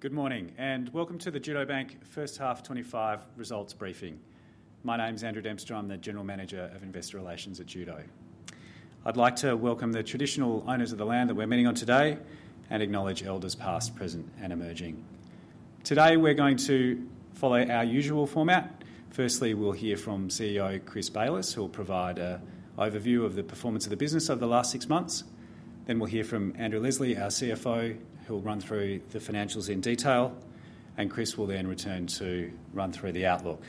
Good morning, and welcome to the Judo Bank First Half 2025 results briefing. My name is Andrew Dempster. I'm the General Manager of Investor Relations at Judo. I'd like to welcome the traditional owners of the land that we're meeting on today and acknowledge elders past, present, and emerging. Today we're going to follow our usual format. Firstly, we'll hear from CEO Chris Bayliss, who will provide an overview of the performance of the business over the last six months. Then we'll hear from Andrew Leslie, our CFO, who will run through the financials in detail, and Chris will then return to run through the outlook.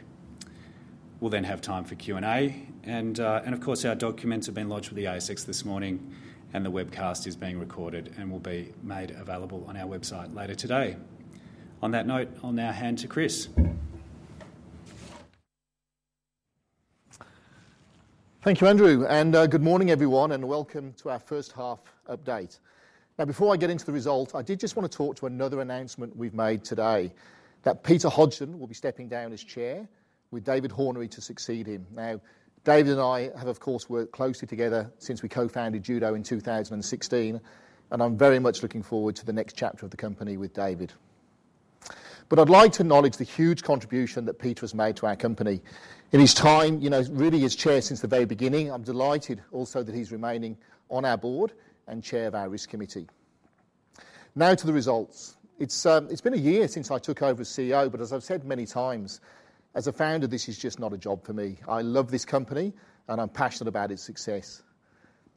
We'll then have time for Q&A, and of course, our documents have been lodged with the ASX this morning, and the webcast is being recorded and will be made available on our website later today. On that note, I'll now hand to Chris. Thank you, Andrew, and good morning, everyone, and welcome to our first half update. Now, before I get into the results, I did just want to talk to another announcement we've made today, that Peter Hodgson will be stepping down as Chair with David Hornery to succeed him. Now, David and I have, of course, worked closely together since we co-founded Judo in 2016, and I'm very much looking forward to the next chapter of the company with David. But I'd like to acknowledge the huge contribution that Peter has made to our company. In his time, you know, really as Chair since the very beginning, I'm delighted also that he's remaining on our board and Chair of our risk committee. Now to the results. It's been a year since I took over as CEO, but as I've said many times, as a founder, this is just not a job for me. I love this company, and I'm passionate about its success.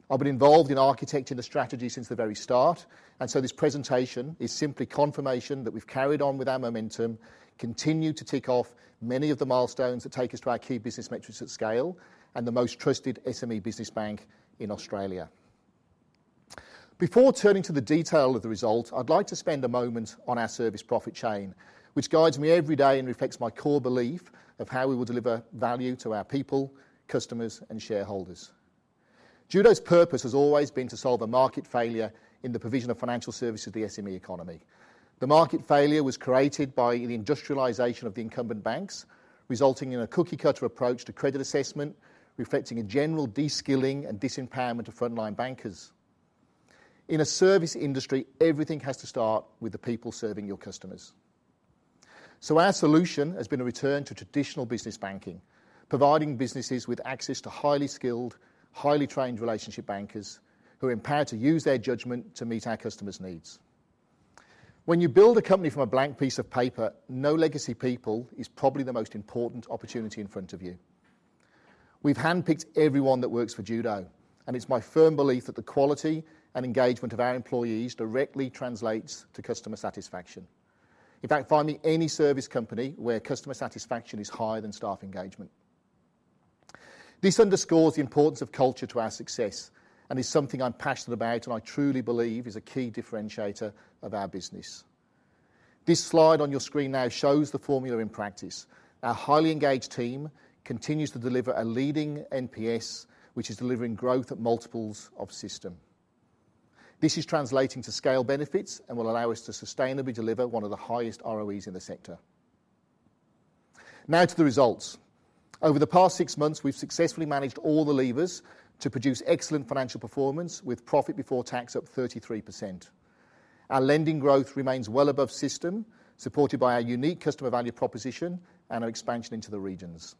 I've been involved in architecting the strategy since the very start, and so this presentation is simply confirmation that we've carried on with our momentum, continued to tick off many of the milestones that take us to our key business metrics at scale, and the most trusted SME business bank in Australia. Before turning to the detail of the results, I'd like to spend a moment on our Service Profit Chain, which guides me every day and reflects my core belief of how we will deliver value to our people, customers, and shareholders. Judo's purpose has always been to solve a market failure in the provision of financial services to the SME economy. The market failure was created by the industrialization of the incumbent banks, resulting in a cookie-cutter approach to credit assessment, reflecting a general deskilling and disempowerment of frontline bankers. In a service industry, everything has to start with the people serving your customers. So our solution has been a return to traditional business banking, providing businesses with access to highly skilled, highly trained relationship bankers who are empowered to use their judgment to meet our customers' needs. When you build a company from a blank piece of paper, no legacy people is probably the most important opportunity in front of you. We've handpicked everyone that works for Judo, and it's my firm belief that the quality and engagement of our employees directly translates to customer satisfaction. In fact, find me any service company where customer satisfaction is higher than staff engagement. This underscores the importance of culture to our success and is something I'm passionate about and I truly believe is a key differentiator of our business. This slide on your screen now shows the formula in practice. Our highly engaged team continues to deliver a leading NPS, which is delivering growth at multiples of system. This is translating to scale benefits and will allow us to sustainably deliver one of the highest ROEs in the sector. Now to the results. Over the past six months, we've successfully managed all the levers to produce excellent financial performance with profit before tax up 33%. Our lending growth remains well above system, supported by our unique customer value proposition and our expansion into the regions.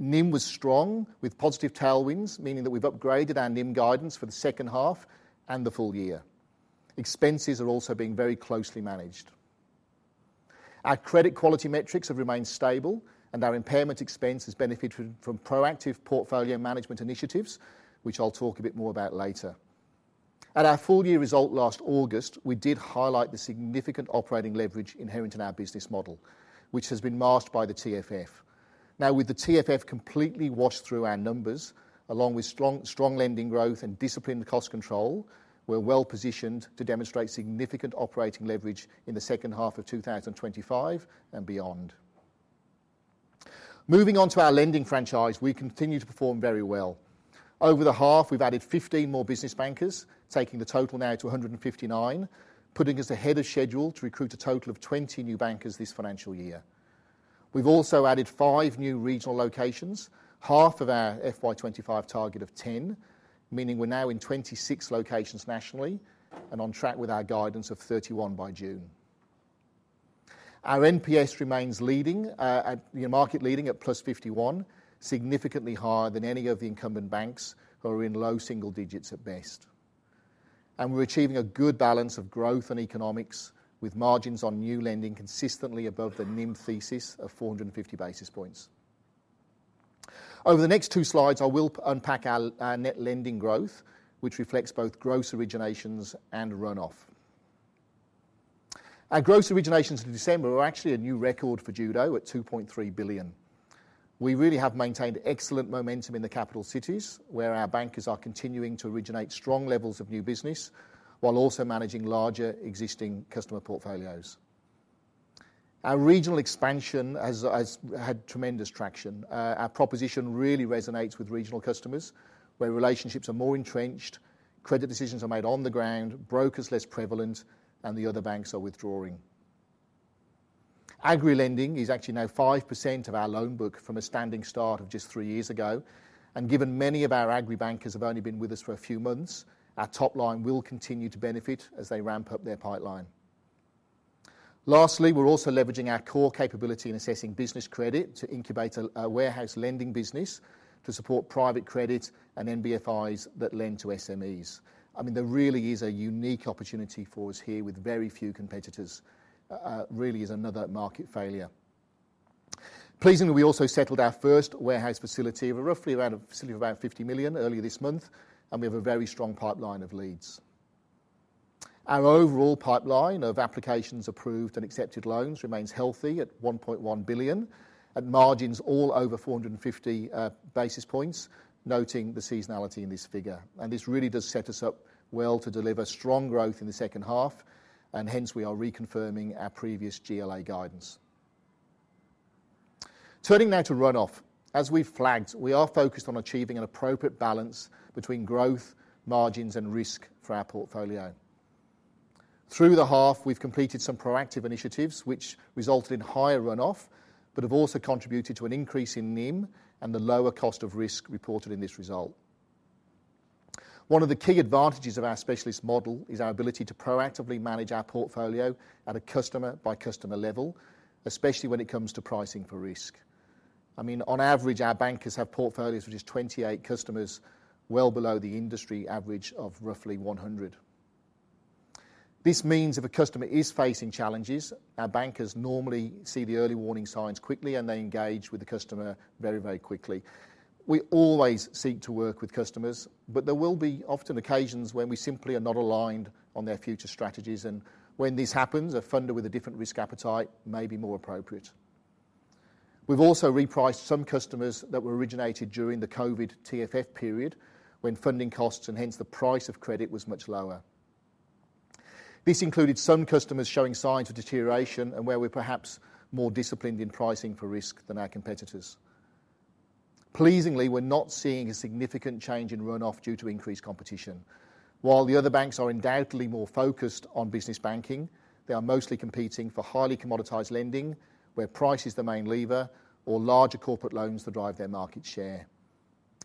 NIM was strong with positive tailwinds, meaning that we've upgraded our NIM guidance for the second half and the full year. Expenses are also being very closely managed. Our credit quality metrics have remained stable, and our impairment expense has benefited from proactive portfolio management initiatives, which I'll talk a bit more about later. At our full year result last August, we did highlight the significant operating leverage inherent in our business model, which has been masked by the TFF. Now, with the TFF completely washed through our numbers, along with strong lending growth and disciplined cost control, we're well positioned to demonstrate significant operating leverage in the second half of 2025 and beyond. Moving on to our lending franchise, we continue to perform very well. Over the half, we've added 15 more business bankers, taking the total now to 159, putting us ahead of schedule to recruit a total of 20 new bankers this financial year. We've also added five new regional locations, half of our FY2025 target of 10, meaning we're now in 26 locations nationally and on track with our guidance of 31 by June. Our NPS remains leading, market leading at plus 51, significantly higher than any of the incumbent banks who are in low single digits at best, and we're achieving a good balance of growth and economics with margins on new lending consistently above the NIM thesis of 450 basis points. Over the next two slides, I will unpack our net lending growth, which reflects both gross originations and run-off. Our gross originations in December were actually a new record for Judo at 2.3 billion. We really have maintained excellent momentum in the capital cities where our bankers are continuing to originate strong levels of new business while also managing larger existing customer portfolios. Our regional expansion has had tremendous traction. Our proposition really resonates with regional customers where relationships are more entrenched, credit decisions are made on the ground, brokers less prevalent, and the other banks are withdrawing. Agri lending is actually now 5% of our loan book from a standing start of just three years ago, and given many of our Agri bankers have only been with us for a few months, our top line will continue to benefit as they ramp up their pipeline. Lastly, we're also leveraging our core capability in assessing business credit to incubate a warehouse lending business to support private credit and NBFIs that lend to SMEs. I mean, there really is a unique opportunity for us here with very few competitors. It really is another market failure. Pleasingly, we also settled our first warehouse facility of roughly about 50 million earlier this month, and we have a very strong pipeline of leads. Our overall pipeline of applications approved and accepted loans remains healthy at 1.1 billion and margins all over 450 basis points, noting the seasonality in this figure. And this really does set us up well to deliver strong growth in the second half, and hence we are reconfirming our previous GLA guidance. Turning now to run-off, as we've flagged, we are focused on achieving an appropriate balance between growth, margins, and risk for our portfolio. Through the half, we've completed some proactive initiatives which resulted in higher run-off, but have also contributed to an increase in NIM and the lower cost of risk reported in this result. One of the key advantages of our specialist model is our ability to proactively manage our portfolio at a customer-by-customer level, especially when it comes to pricing for risk. I mean, on average, our bankers have portfolios of just 28 customers, well below the industry average of roughly 100. This means if a customer is facing challenges, our bankers normally see the early warning signs quickly, and they engage with the customer very, very quickly. We always seek to work with customers, but there will be often occasions when we simply are not aligned on their future strategies, and when this happens, a funder with a different risk appetite may be more appropriate. We've also repriced some customers that were originated during the COVID TFF period when funding costs and hence the price of credit was much lower. This included some customers showing signs of deterioration and where we're perhaps more disciplined in pricing for risk than our competitors. Pleasingly, we're not seeing a significant change in run-off due to increased competition. While the other banks are undoubtedly more focused on business banking, they are mostly competing for highly commoditized lending where price is the main lever or larger corporate loans that drive their market share.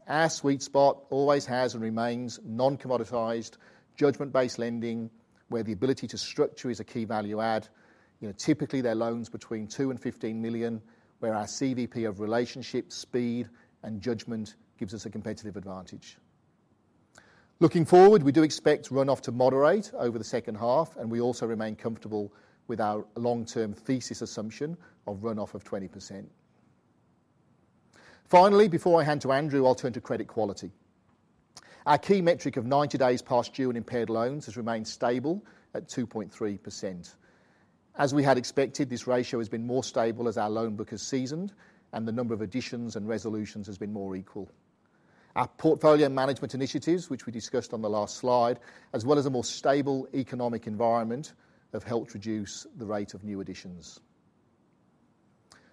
Our sweet spot always has and remains non-commoditized, judgment-based lending where the ability to structure is a key value add. Typically, they're loans between 2 and 15 million, where our CVP of relationship, speed, and judgment gives us a competitive advantage. Looking forward, we do expect run-off to moderate over the second half, and we also remain comfortable with our long-term thesis assumption of run-off of 20%. Finally, before I hand to Andrew, I'll turn to credit quality. Our key metric of 90 days past due and impaired loans has remained stable at 2.3%. As we had expected, this ratio has been more stable as our loan book has seasoned and the number of additions and resolutions has been more equal. Our portfolio management initiatives, which we discussed on the last slide, as well as a more stable economic environment, have helped reduce the rate of new additions.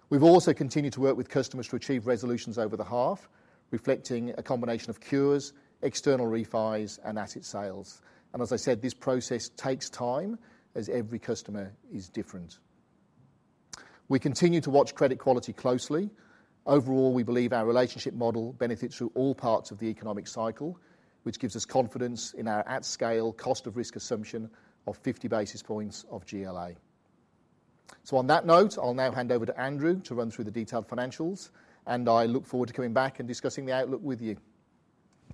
We've also continued to work with customers to achieve resolutions over the half, reflecting a combination of cures, external refis, and asset sales. And as I said, this process takes time as every customer is different. We continue to watch credit quality closely. Overall, we believe our relationship model benefits through all parts of the economic cycle, which gives us confidence in our at-scale cost of risk assumption of 50 basis points of GLA. So on that note, I'll now hand over to Andrew to run through the detailed financials, and I look forward to coming back and discussing the outlook with you.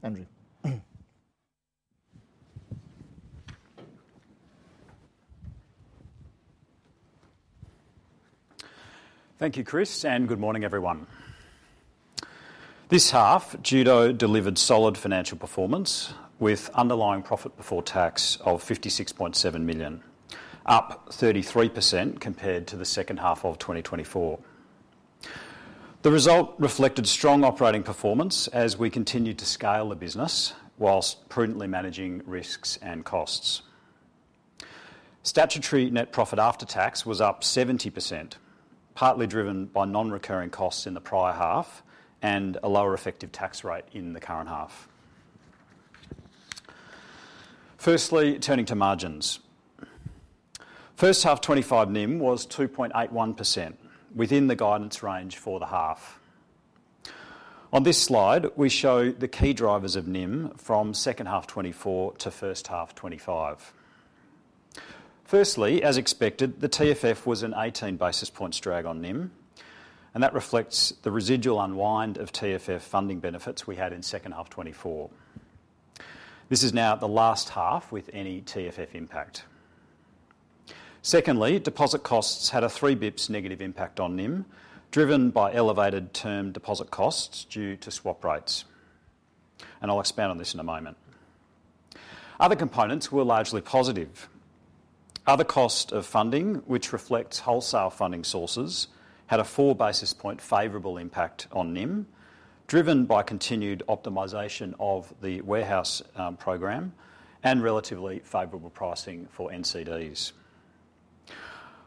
Andrew. Thank you, Chris, and good morning, everyone. This half, Judo delivered solid financial performance with underlying profit before tax of 56.7 million, up 33% compared to the second half of 2024. The result reflected strong operating performance as we continued to scale the business while prudently managing risks and costs. Statutory net profit after tax was up 70%, partly driven by non-recurring costs in the prior half and a lower effective tax rate in the current half. Firstly, turning to margins. First half 2025 NIM was 2.81%, within the guidance range for the half. On this slide, we show the key drivers of NIM from second half 2024 to first half 2025. Firstly, as expected, the TFF was an 18 basis points drag on NIM, and that reflects the residual unwind of TFF funding benefits we had in second half 2024. This is now the last half with any TFF impact. Secondly, deposit costs had a three basis points negative impact on NIM, driven by elevated term deposit costs due to swap rates, and I'll expand on this in a moment. Other components were largely positive. Other cost of funding, which reflects wholesale funding sources, had a four basis points favorable impact on NIM, driven by continued optimization of the warehouse program and relatively favorable pricing for NCDs.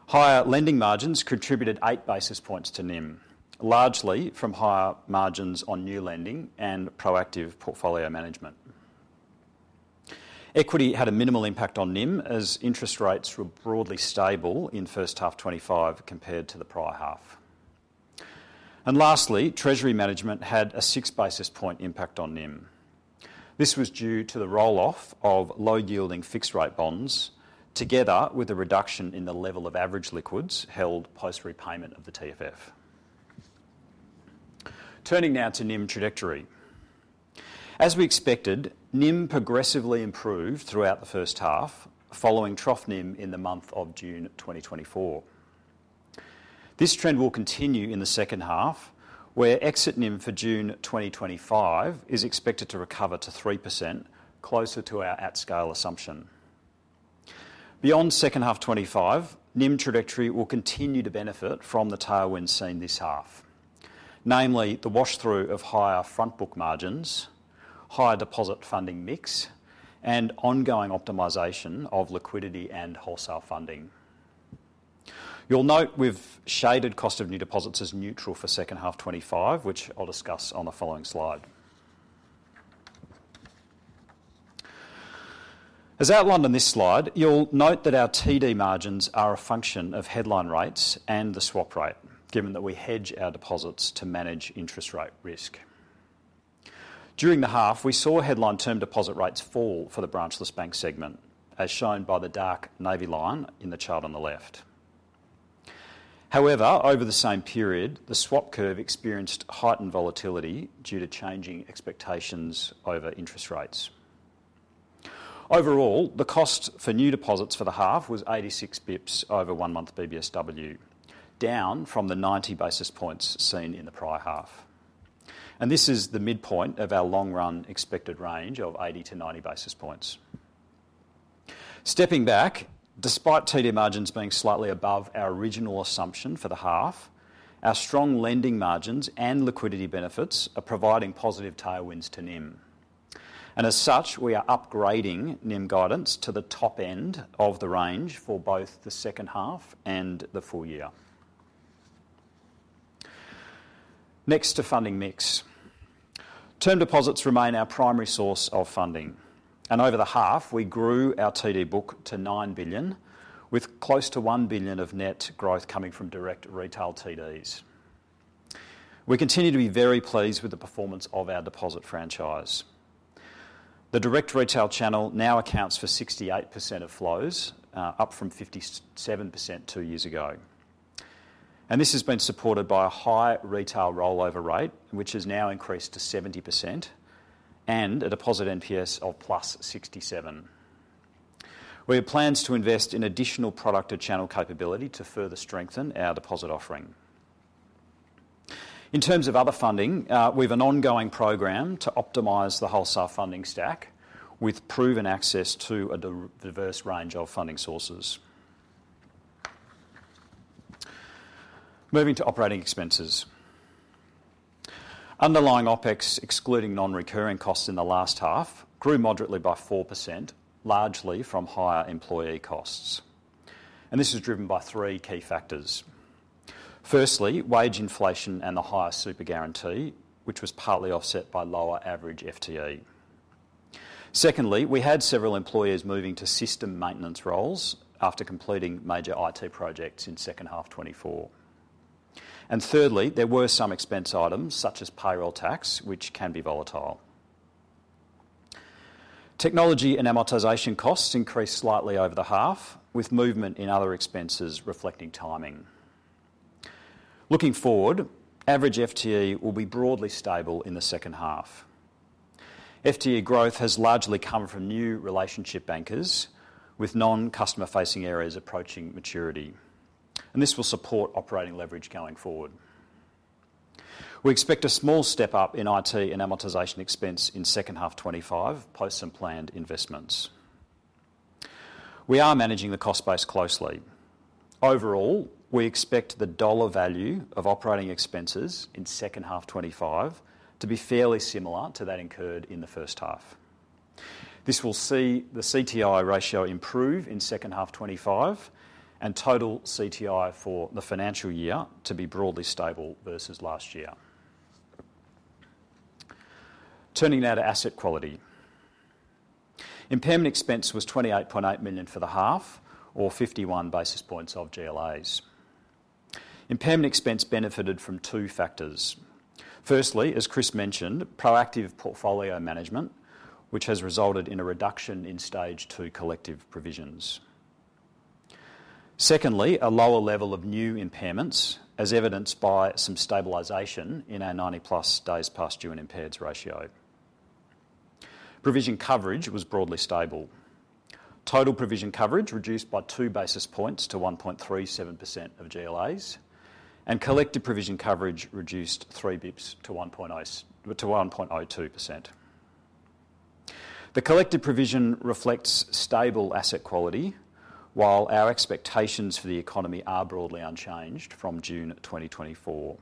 Higher lending margins contributed eight basis points to NIM, largely from higher margins on new lending and proactive portfolio management. Equity had a minimal impact on NIM as interest rates were broadly stable in first half 2025 compared to the prior half, and lastly, treasury management had a six basis points impact on NIM. This was due to the roll-off of low-yielding fixed-rate bonds together with a reduction in the level of average liquids held post-repayment of the TFF. Turning now to NIM trajectory. As we expected, NIM progressively improved throughout the first half, following trough NIM in the month of June 2024. This trend will continue in the second half, where exit NIM for June 2025 is expected to recover to 3%, closer to our at-scale assumption. Beyond second half 25, NIM trajectory will continue to benefit from the tailwinds seen this half, namely the wash-through of higher front book margins, higher deposit funding mix, and ongoing optimization of liquidity and wholesale funding. You'll note we've shaded cost of new deposits as neutral for second half 25, which I'll discuss on the following slide. As outlined on this slide, you'll note that our TD margins are a function of headline rates and the swap rate, given that we hedge our deposits to manage interest rate risk. During the half, we saw headline term deposit rates fall for the branchless bank segment, as shown by the dark navy line in the chart on the left. However, over the same period, the swap curve experienced heightened volatility due to changing expectations over interest rates. Overall, the cost for new deposits for the half was 86 basis points over one month BBSW, down from the 90 basis points seen in the prior half, and this is the midpoint of our long-run expected range of 80 to 90 basis points. Stepping back, despite TD margins being slightly above our original assumption for the half, our strong lending margins and liquidity benefits are providing positive tailwinds to NIM. As such, we are upgrading NIM guidance to the top end of the range for both the second half and the full year. Next to funding mix, term deposits remain our primary source of funding. Over the half, we grew our TD book to 9 billion, with close to 1 billion of net growth coming from direct retail TDs. We continue to be very pleased with the performance of our deposit franchise. The direct retail channel now accounts for 68% of flows, up from 57% two years ago. This has been supported by a high retail rollover rate, which has now increased to 70% and a deposit NPS of plus 67. We have plans to invest in additional product or channel capability to further strengthen our deposit offering. In terms of other funding, we have an ongoing program to optimize the wholesale funding stack with proven access to a diverse range of funding sources. Moving to operating expenses. Underlying OPEX, excluding non-recurring costs in the last half, grew moderately by 4%, largely from higher employee costs. And this is driven by three key factors. Firstly, wage inflation and the higher super guarantee, which was partly offset by lower average FTE. Secondly, we had several employees moving to system maintenance roles after completing major IT projects in second half 2024. And thirdly, there were some expense items such as payroll tax, which can be volatile. Technology and amortization costs increased slightly over the half, with movement in other expenses reflecting timing. Looking forward, average FTE will be broadly stable in the second half. FTE growth has largely come from new relationship bankers with non-customer-facing areas approaching maturity. This will support operating leverage going forward. We expect a small step up in IT and amortization expense in second half 2025 post some planned investments. We are managing the cost base closely. Overall, we expect the dollar value of operating expenses in second half 2025 to be fairly similar to that incurred in the first half. This will see the CTI ratio improve in second half 2025 and total CTI for the financial year to be broadly stable versus last year. Turning now to asset quality. Impairment expense was 28.8 million for the half, or 51 basis points of GLAs. Impairment expense benefited from two factors. Firstly, as Chris mentioned, proactive portfolio management, which has resulted in a reduction in Stage 2 collective provisions. Secondly, a lower level of new impairments, as evidenced by some stabilization in our 90 plus days past due and impaired ratio. Provision coverage was broadly stable. Total provision coverage reduced by two basis points to 1.37% of GLAs, and collective provision coverage reduced three basis points to 1.02%. The collective provision reflects stable asset quality, while our expectations for the economy are broadly unchanged from June 2024.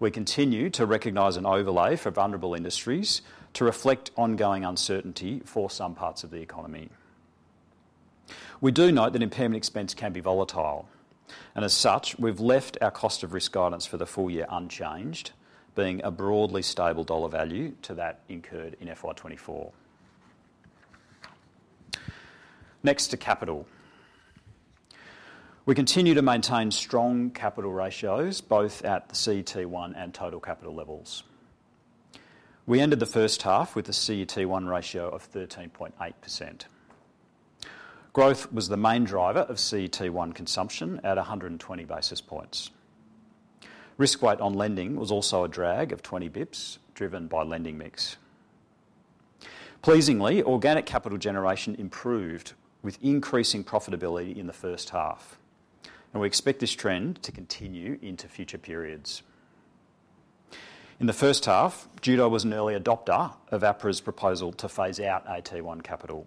We continue to recognize an overlay for vulnerable industries to reflect ongoing uncertainty for some parts of the economy. We do note that impairment expense can be volatile, and as such, we've left our cost of risk guidance for the full year unchanged, being a broadly stable dollar value to that incurred in FY2024. Next to capital. We continue to maintain strong capital ratios both at the CET1 and total capital levels. We ended the first half with a CET1 ratio of 13.8%. Growth was the main driver of CET1 consumption at 120 basis points. Risk weight on lending was also a drag of 20 basis points, driven by lending mix. Pleasingly, organic capital generation improved with increasing profitability in the first half and we expect this trend to continue into future periods. In the first half, Judo was an early adopter of APRA's proposal to phase out AT1 capital.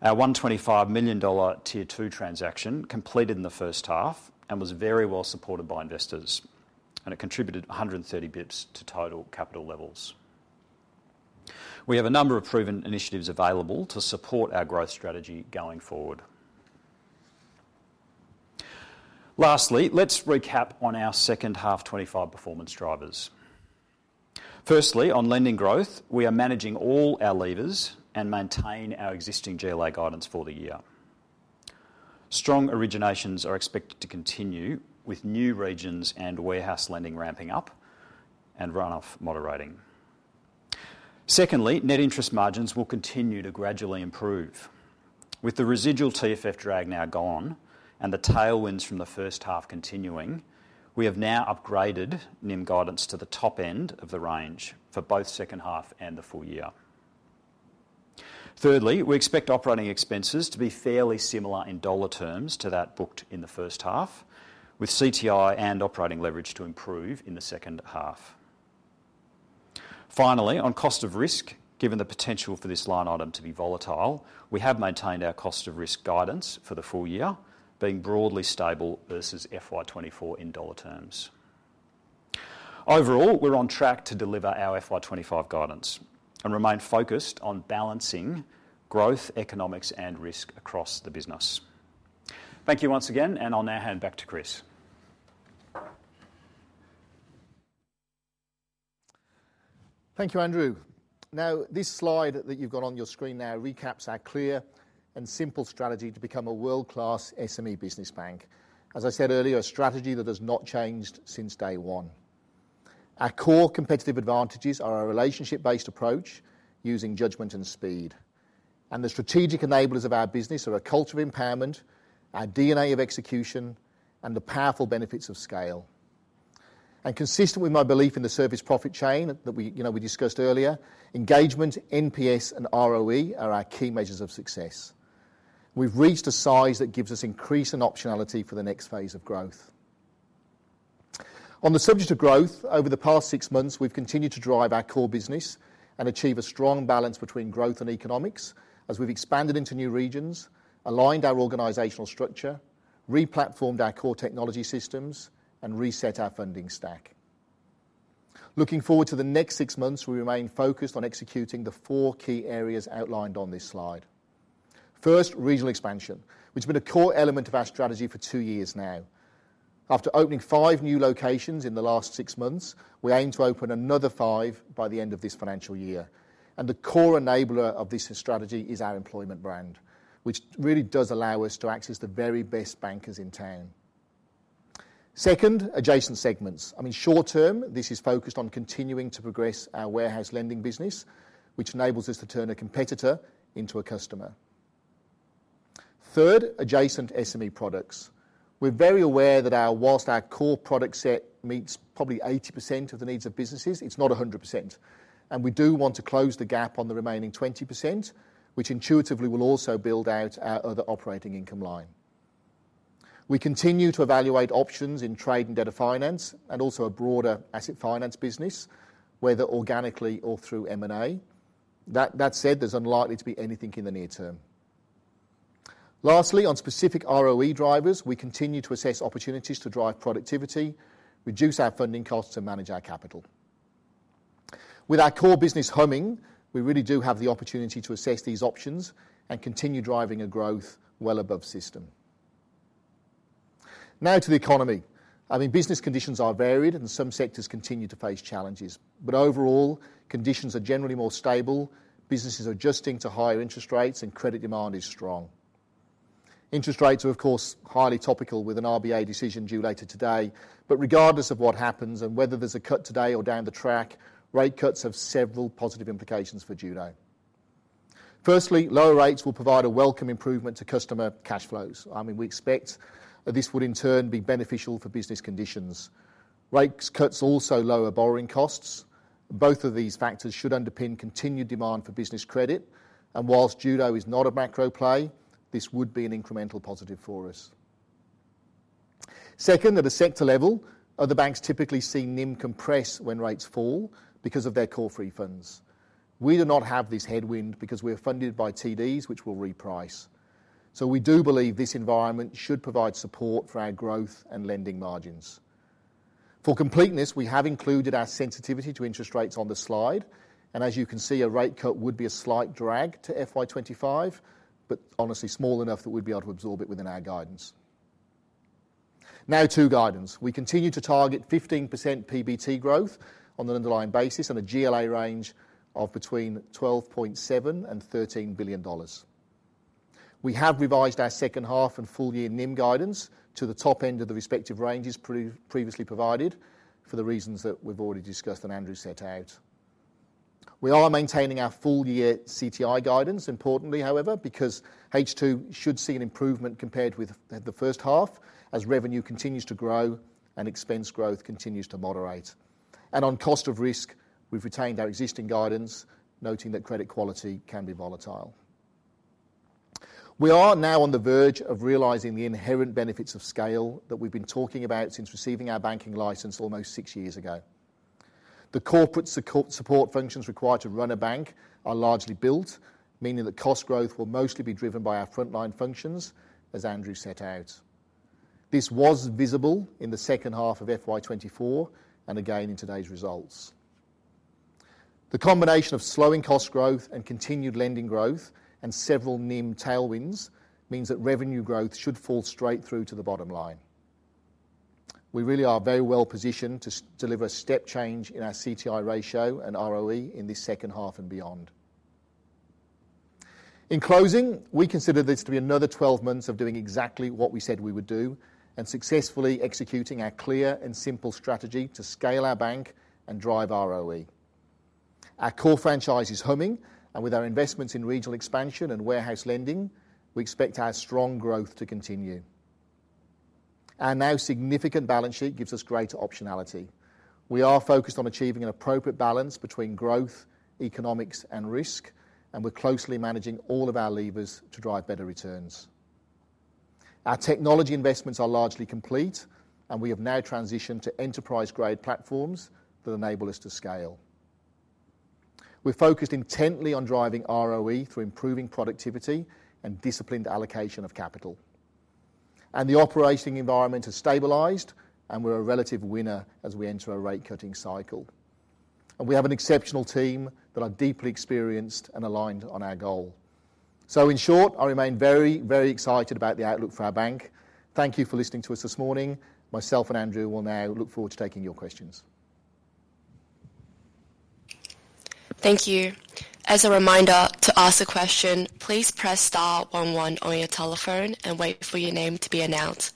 Our 125 million dollar Tier 2 transaction completed in the first half and was very well supported by investors and it contributed 130 basis points to total capital levels. We have a number of proven initiatives available to support our growth strategy going forward. Lastly, let's recap on our second half 2025 performance drivers. Firstly, on lending growth, we are managing all our levers and maintain our existing GLA guidance for the year. Strong originations are expected to continue with new regions and warehouse lending ramping up and runoff moderating. Secondly, net interest margins will continue to gradually improve. With the residual TFF drag now gone and the tailwinds from the first half continuing, we have now upgraded NIM guidance to the top end of the range for both second half and the full year. Thirdly, we expect operating expenses to be fairly similar in dollar terms to that booked in the first half, with CTI and operating leverage to improve in the second half. Finally, on cost of risk, given the potential for this line item to be volatile, we have maintained our cost of risk guidance for the full year, being broadly stable versus FY2024 in dollar terms. Overall, we're on track to deliver our FY2025 guidance and remain focused on balancing growth, economics, and risk across the business. Thank you once again, and I'll now hand back to Chris. Thank you, Andrew. Now, this slide that you've got on your screen now recaps our clear and simple strategy to become a world-class SME business bank. As I said earlier, a strategy that has not changed since day one. Our core competitive advantages are our relationship-based approach using judgment and speed, and the strategic enablers of our business are a culture of empowerment, our DNA of execution, and the powerful benefits of scale, and consistent with my belief in the service profit chain that we discussed earlier, engagement, NPS, and ROE are our key measures of success. We've reached a size that gives us increasing optionality for the next phase of growth. On the subject of growth, over the past six months, we've continued to drive our core business and achieve a strong balance between growth and economics as we've expanded into new regions, aligned our organizational structure, replatformed our core technology systems, and reset our funding stack. Looking forward to the next six months, we remain focused on executing the four key areas outlined on this slide. First, regional expansion, which has been a core element of our strategy for two years now. After opening five new locations in the last six months, we aim to open another five by the end of this financial year. And the core enabler of this strategy is our employment brand, which really does allow us to access the very best bankers in town. Second, adjacent segments. I mean, short term, this is focused on continuing to progress our warehouse lending business, which enables us to turn a competitor into a customer. Third, adjacent SME products. We're very aware that whilst our core product set meets probably 80% of the needs of businesses, it's not 100%. And we do want to close the gap on the remaining 20%, which intuitively will also build out our other operating income line. We continue to evaluate options in trade and data finance and also a broader asset finance business, whether organically or through M&A. That said, there's unlikely to be anything in the near term. Lastly, on specific ROE drivers, we continue to assess opportunities to drive productivity, reduce our funding costs, and manage our capital. With our core business humming, we really do have the opportunity to assess these options and continue driving a growth well above system. Now to the economy. I mean, business conditions are varied, and some sectors continue to face challenges, but overall, conditions are generally more stable. Businesses are adjusting to higher interest rates, and credit demand is strong. Interest rates are, of course, highly topical with an RBA decision due later today, but regardless of what happens and whether there's a cut today or down the track, rate cuts have several positive implications for Judo. Firstly, lower rates will provide a welcome improvement to customer cash flows. I mean, we expect that this would in turn be beneficial for business conditions. Rate cuts also lower borrowing costs. Both of these factors should underpin continued demand for business credit, and while Judo is not a macro play, this would be an incremental positive for us. Second, at a sector level, other banks typically see NIM compress when rates fall because of their core free funds. We do not have this headwind because we are funded by TDs, which will reprice. So we do believe this environment should provide support for our growth and lending margins. For completeness, we have included our sensitivity to interest rates on the slide. And as you can see, a rate cut would be a slight drag to FY2025, but honestly, small enough that we'd be able to absorb it within our guidance. Now to guidance. We continue to target 15% PBT growth on an underlying basis and a GLA range of between 12.7 billion and 13 billion dollars. We have revised our second half and full year NIM guidance to the top end of the respective ranges previously provided for the reasons that we've already discussed and Andrew set out. We are maintaining our full year CTI guidance, importantly, however, because H2 should see an improvement compared with the first half as revenue continues to grow and expense growth continues to moderate, and on cost of risk, we've retained our existing guidance, noting that credit quality can be volatile. We are now on the verge of realizing the inherent benefits of scale that we've been talking about since receiving our banking license almost six years ago. The corporate support functions required to run a bank are largely built, meaning that cost growth will mostly be driven by our frontline functions, as Andrew set out. This was visible in the second half of FY2024 and again in today's results. The combination of slowing cost growth and continued lending growth and several NIM tailwinds means that revenue growth should fall straight through to the bottom line. We really are very well positioned to deliver a step change in our CTI ratio and ROE in this second half and beyond. In closing, we consider this to be another 12 months of doing exactly what we said we would do and successfully executing our clear and simple strategy to scale our bank and drive ROE. Our core franchise is humming, and with our investments in regional expansion and warehouse lending, we expect our strong growth to continue. Our now significant balance sheet gives us greater optionality. We are focused on achieving an appropriate balance between growth, economics, and risk, and we're closely managing all of our levers to drive better returns. Our technology investments are largely complete, and we have now transitioned to enterprise-grade platforms that enable us to scale. We're focused intently on driving ROE through improving productivity and disciplined allocation of capital. And the operating environment has stabilized, and we're a relative winner as we enter a rate-cutting cycle. And we have an exceptional team that are deeply experienced and aligned on our goal. So in short, I remain very, very excited about the outlook for our bank. Thank you for listening to us this morning. Myself and Andrew will now look forward to taking your questions. Thank you. As a reminder, to ask a question, please press star 11 on your telephone and wait for your name to be announced.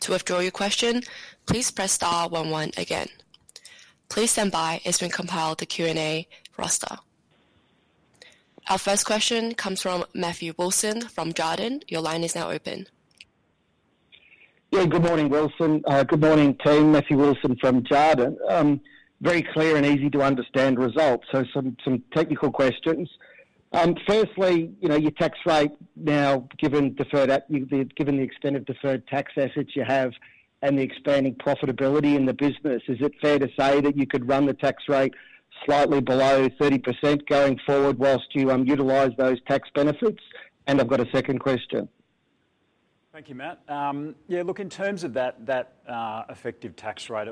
To withdraw your question, please press star 11 again. Please stand by as we compile the Q&A roster. Our first question comes from Matthew Wilson from Jarden. Your line is now open. Yeah, good morning, Wilson. Good morning, Team. Matthew Wilson from Jarden. Very clear and easy-to-understand results. So some technical questions. Firstly, your tax rate now, given the extent of deferred tax assets you have and the expanding profitability in the business, is it fair to say that you could run the tax rate slightly below 30% going forward whilst you utilize those tax benefits? And I've got a second question. Thank you, Matt. Yeah, look, in terms of that effective tax rate,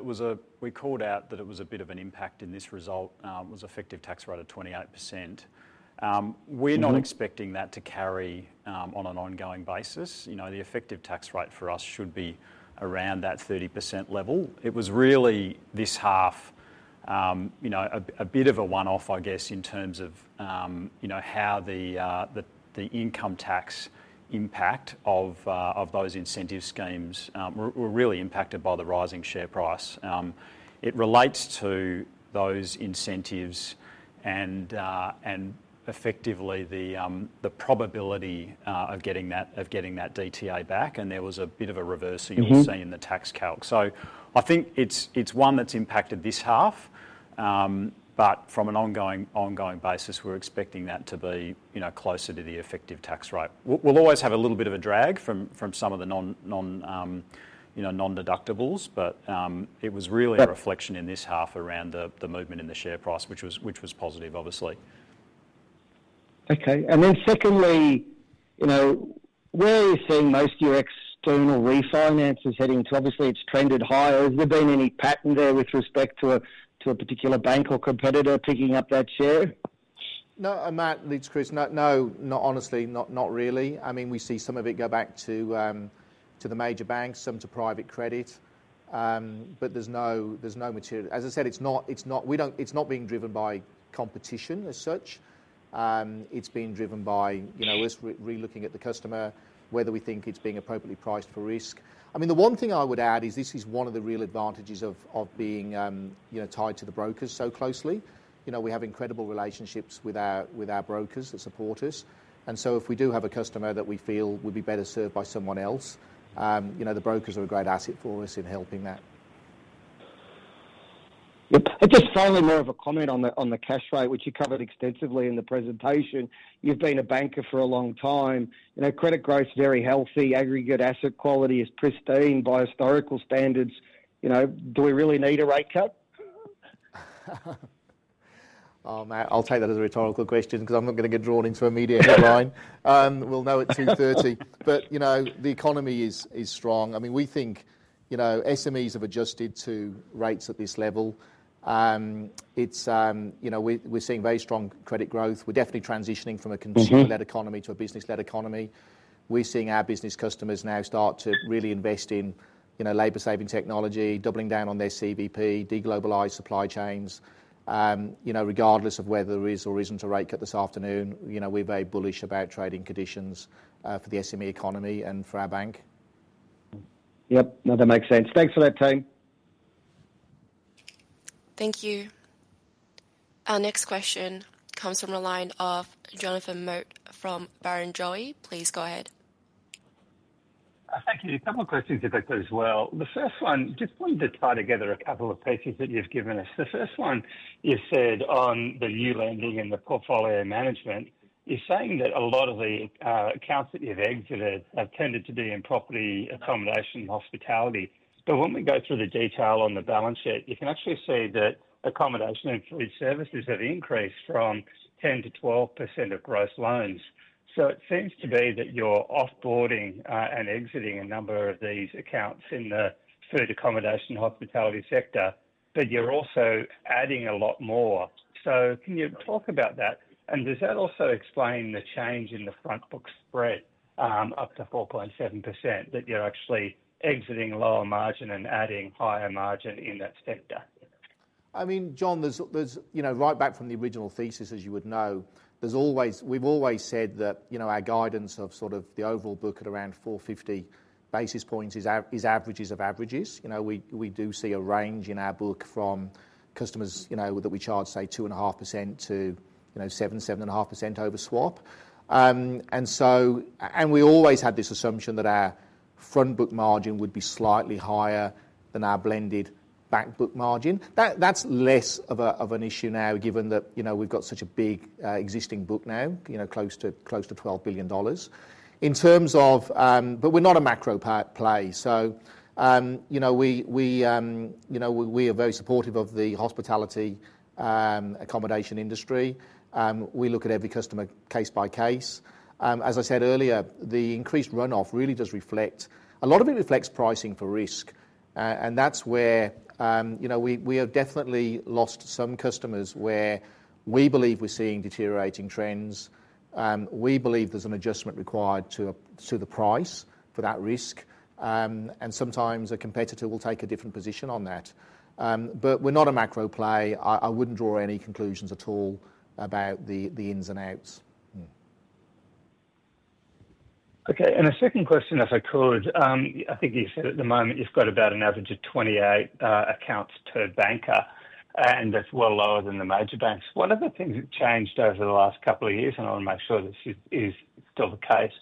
we called out that it was a bit of an impact in this result. It was an effective tax rate of 28%. We're not expecting that to carry on an ongoing basis. The effective tax rate for us should be around that 30% level. It was really this half a bit of a one-off, I guess, in terms of how the income tax impact of those incentive schemes were really impacted by the rising share price. It relates to those incentives and effectively the probability of getting that DTA back. And there was a bit of a reversal you'll see in the tax calc. So I think it's one that's impacted this half. But from an ongoing basis, we're expecting that to be closer to the effective tax rate. We'll always have a little bit of a drag from some of the non-deductibles, but it was really a reflection in this half around the movement in the share price, which was positive, obviously. Okay. Secondly, where are you seeing most of your external refinances heading to? Obviously, it's trended higher. Has there been any pattern there with respect to a particular bank or competitor picking up that share? No, Matt, that's Chris. No, honestly, not really. I mean, we see some of it go back to the major banks, some to private credit, but there's no material. As I said, it's not being driven by competition as such. It's being driven by us relooking at the customer, whether we think it's being appropriately priced for risk. I mean, the one thing I would add is this is one of the real advantages of being tied to the brokers so closely. We have incredible relationships with our brokers that support us, and so if we do have a customer that we feel would be better served by someone else, the brokers are a great asset for us in helping that. Yep. Just finally, more of a comment on the cash rate, which you covered extensively in the presentation. You've been a banker for a long time. Credit growth is very healthy. Aggregate asset quality is pristine by historical standards. Do we really need a rate cut? Oh, mate, I'll take that as a rhetorical question because I'm not going to get drawn into a media headline. We'll know at 2:30 P.M. But the economy is strong. I mean, we think SMEs have adjusted to rates at this level. We're seeing very strong credit growth. We're definitely transitioning from a consumer-led economy to a business-led economy. We're seeing our business customers now start to really invest in labor-saving technology, doubling down on their CBP, deglobalized supply chains. Regardless of whether there is or isn't a rate cut this afternoon, we're very bullish about trading conditions for the SME economy and for our bank. Yep. No, that makes sense. Thanks for that, Chris. Thank you. Our next question comes from a line of Jonathan Mott from Barrenjoey. Please go ahead. Thank you. A couple of questions, if I could as well. The first one, just wanted to tie together a couple of pieces that you've given us. The first one you said on the new lending and the portfolio management, you're saying that a lot of the accounts that you've exited have tended to be in property, accommodation, and hospitality. But when we go through the detail on the balance sheet, you can actually see that accommodation and food services have increased from 10% to 12% of gross loans. So it seems to be that you're offboarding and exiting a number of these accounts in the food, accommodation, and hospitality sector, but you're also adding a lot more. So can you talk about that? Does that also explain the change in the front-book spread up to 4.7% that you're actually exiting lower margin and adding higher margin in that sector? I mean, John, right back from the original thesis, as you would know, we've always said that our guidance of sort of the overall book at around 450 basis points is averages of averages. We do see a range in our book from customers that we charge, say, 2.5% to 7, 7.5% over swap. And we always had this assumption that our front-book margin would be slightly higher than our blended back-book margin. That's less of an issue now, given that we've got such a big existing book now, close to 12 billion dollars. But we're not a macro play. So we are very supportive of the hospitality accommodation industry. We look at every customer case by case. As I said earlier, the increased runoff really does reflect a lot of it reflects pricing for risk. That's where we have definitely lost some customers where we believe we're seeing deteriorating trends. We believe there's an adjustment required to the price for that risk. Sometimes a competitor will take a different position on that. We're not a macro play. I wouldn't draw any conclusions at all about the ins and outs. Okay, and a second question, if I could. I think you said at the moment you've got about an average of 28 accounts per banker, and that's well lower than the major banks. One of the things that changed over the last couple of years, and I want to make sure this is still the case,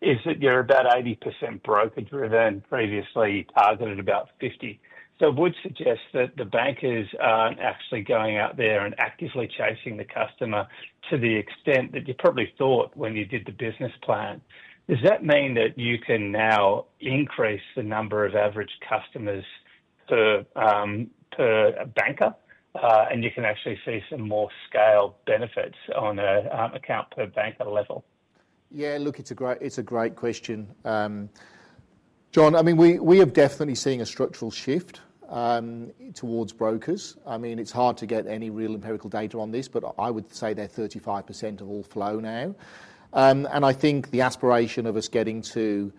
is that you're about 80% broker-driven, previously targeted about 50%. So I would suggest that the bankers are actually going out there and actively chasing the customer to the extent that you probably thought when you did the business plan. Does that mean that you can now increase the number of average customers per banker, and you can actually see some more scale benefits on an account per banker level? Yeah, look, it's a great question. John, I mean, we are definitely seeing a structural shift towards brokers. I mean, it's hard to get any real empirical data on this, but I would say they're 35% of all flow now. And I think the aspiration of us getting to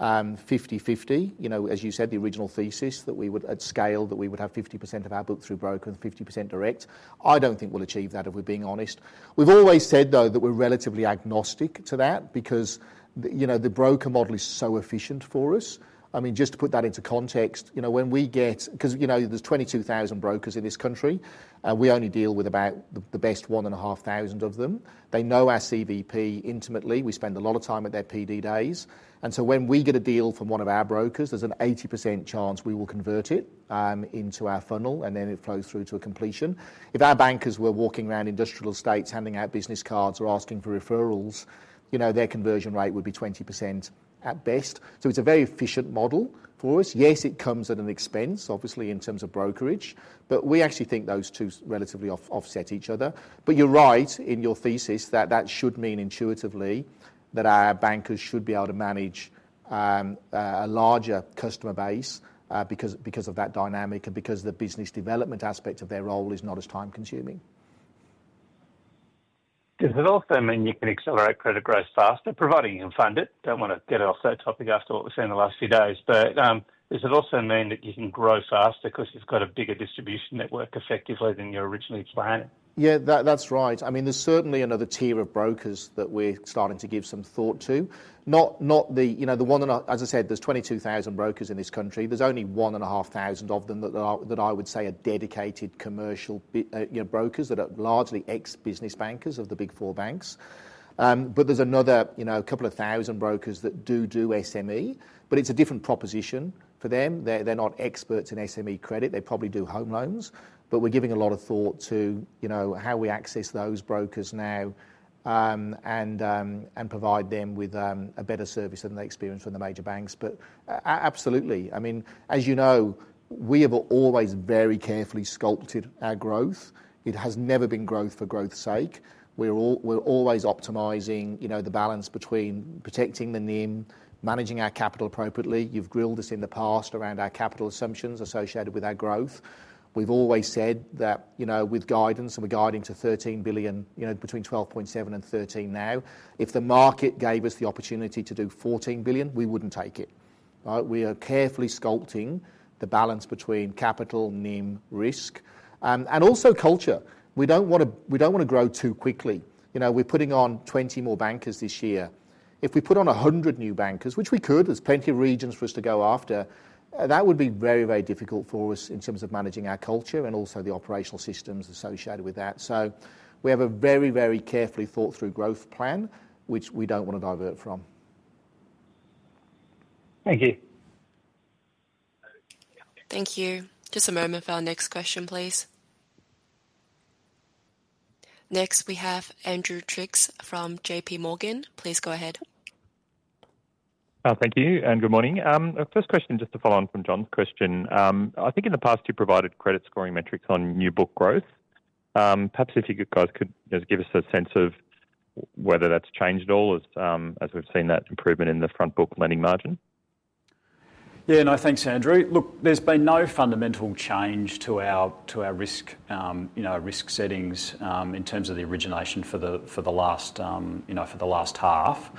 50/50, as you said, the original thesis that we would at scale that we would have 50% of our book through brokers, 50% direct, I don't think we'll achieve that if we're being honest. We've always said, though, that we're relatively agnostic to that because the broker model is so efficient for us. I mean, just to put that into context, when we get because there's 22,000 brokers in this country, and we only deal with about the best 1,500 of them. They know our CBP intimately. We spend a lot of time at their PD days. And so when we get a deal from one of our brokers, there's an 80% chance we will convert it into our funnel, and then it flows through to a completion. If our bankers were walking around industrial states handing out business cards or asking for referrals, their conversion rate would be 20% at best. So it's a very efficient model for us. Yes, it comes at an expense, obviously, in terms of brokerage. But we actually think those two relatively offset each other. But you're right in your thesis that that should mean intuitively that our bankers should be able to manage a larger customer base because of that dynamic and because the business development aspect of their role is not as time-consuming. Does it also mean you can accelerate credit growth faster, providing you can fund it? Don't want to get off that topic after what we've seen the last few days. But does it also mean that you can grow faster because you've got a bigger distribution network effectively than you originally planned? Yeah, that's right. I mean, there's certainly another tier of brokers that we're starting to give some thought to. Not the one that, as I said, there's 22,000 brokers in this country. There's only 1,500 of them that I would say are dedicated commercial brokers that are largely ex-business bankers of the big four banks, but there's another couple of thousand brokers that do SME, but it's a different proposition for them. They're not experts in SME credit. They probably do home loans, but we're giving a lot of thought to how we access those brokers now and provide them with a better service than they experience from the major banks, but absolutely. I mean, as you know, we have always very carefully sculpted our growth. It has never been growth for growth's sake. We're always optimizing the balance between protecting the NIM, managing our capital appropriately. You've grilled us in the past around our capital assumptions associated with our growth. We've always said that with guidance, and we're guiding to 13 billion, between 12.7 billion and 13 billion now. If the market gave us the opportunity to do 14 billion, we wouldn't take it. We are carefully sculpting the balance between capital, NIM, risk, and also culture. We don't want to grow too quickly. We're putting on 20 more bankers this year. If we put on 100 new bankers, which we could, there's plenty of regions for us to go after, that would be very, very difficult for us in terms of managing our culture and also the operational systems associated with that. So we have a very, very carefully thought-through growth plan, which we don't want to divert from. Thank you. Thank you. Just a moment for our next question, please. Next, we have Andrew Triggs from JPMorgan. Please go ahead. Thank you. And good morning. First question, just to follow on from John's question. I think in the past, you provided credit scoring metrics on new book growth. Perhaps if you guys could give us a sense of whether that's changed at all as we've seen that improvement in the front-book lending margin. Yeah, no, thanks, Andrew. Look, there's been no fundamental change to our risk settings in terms of the origination for the last half.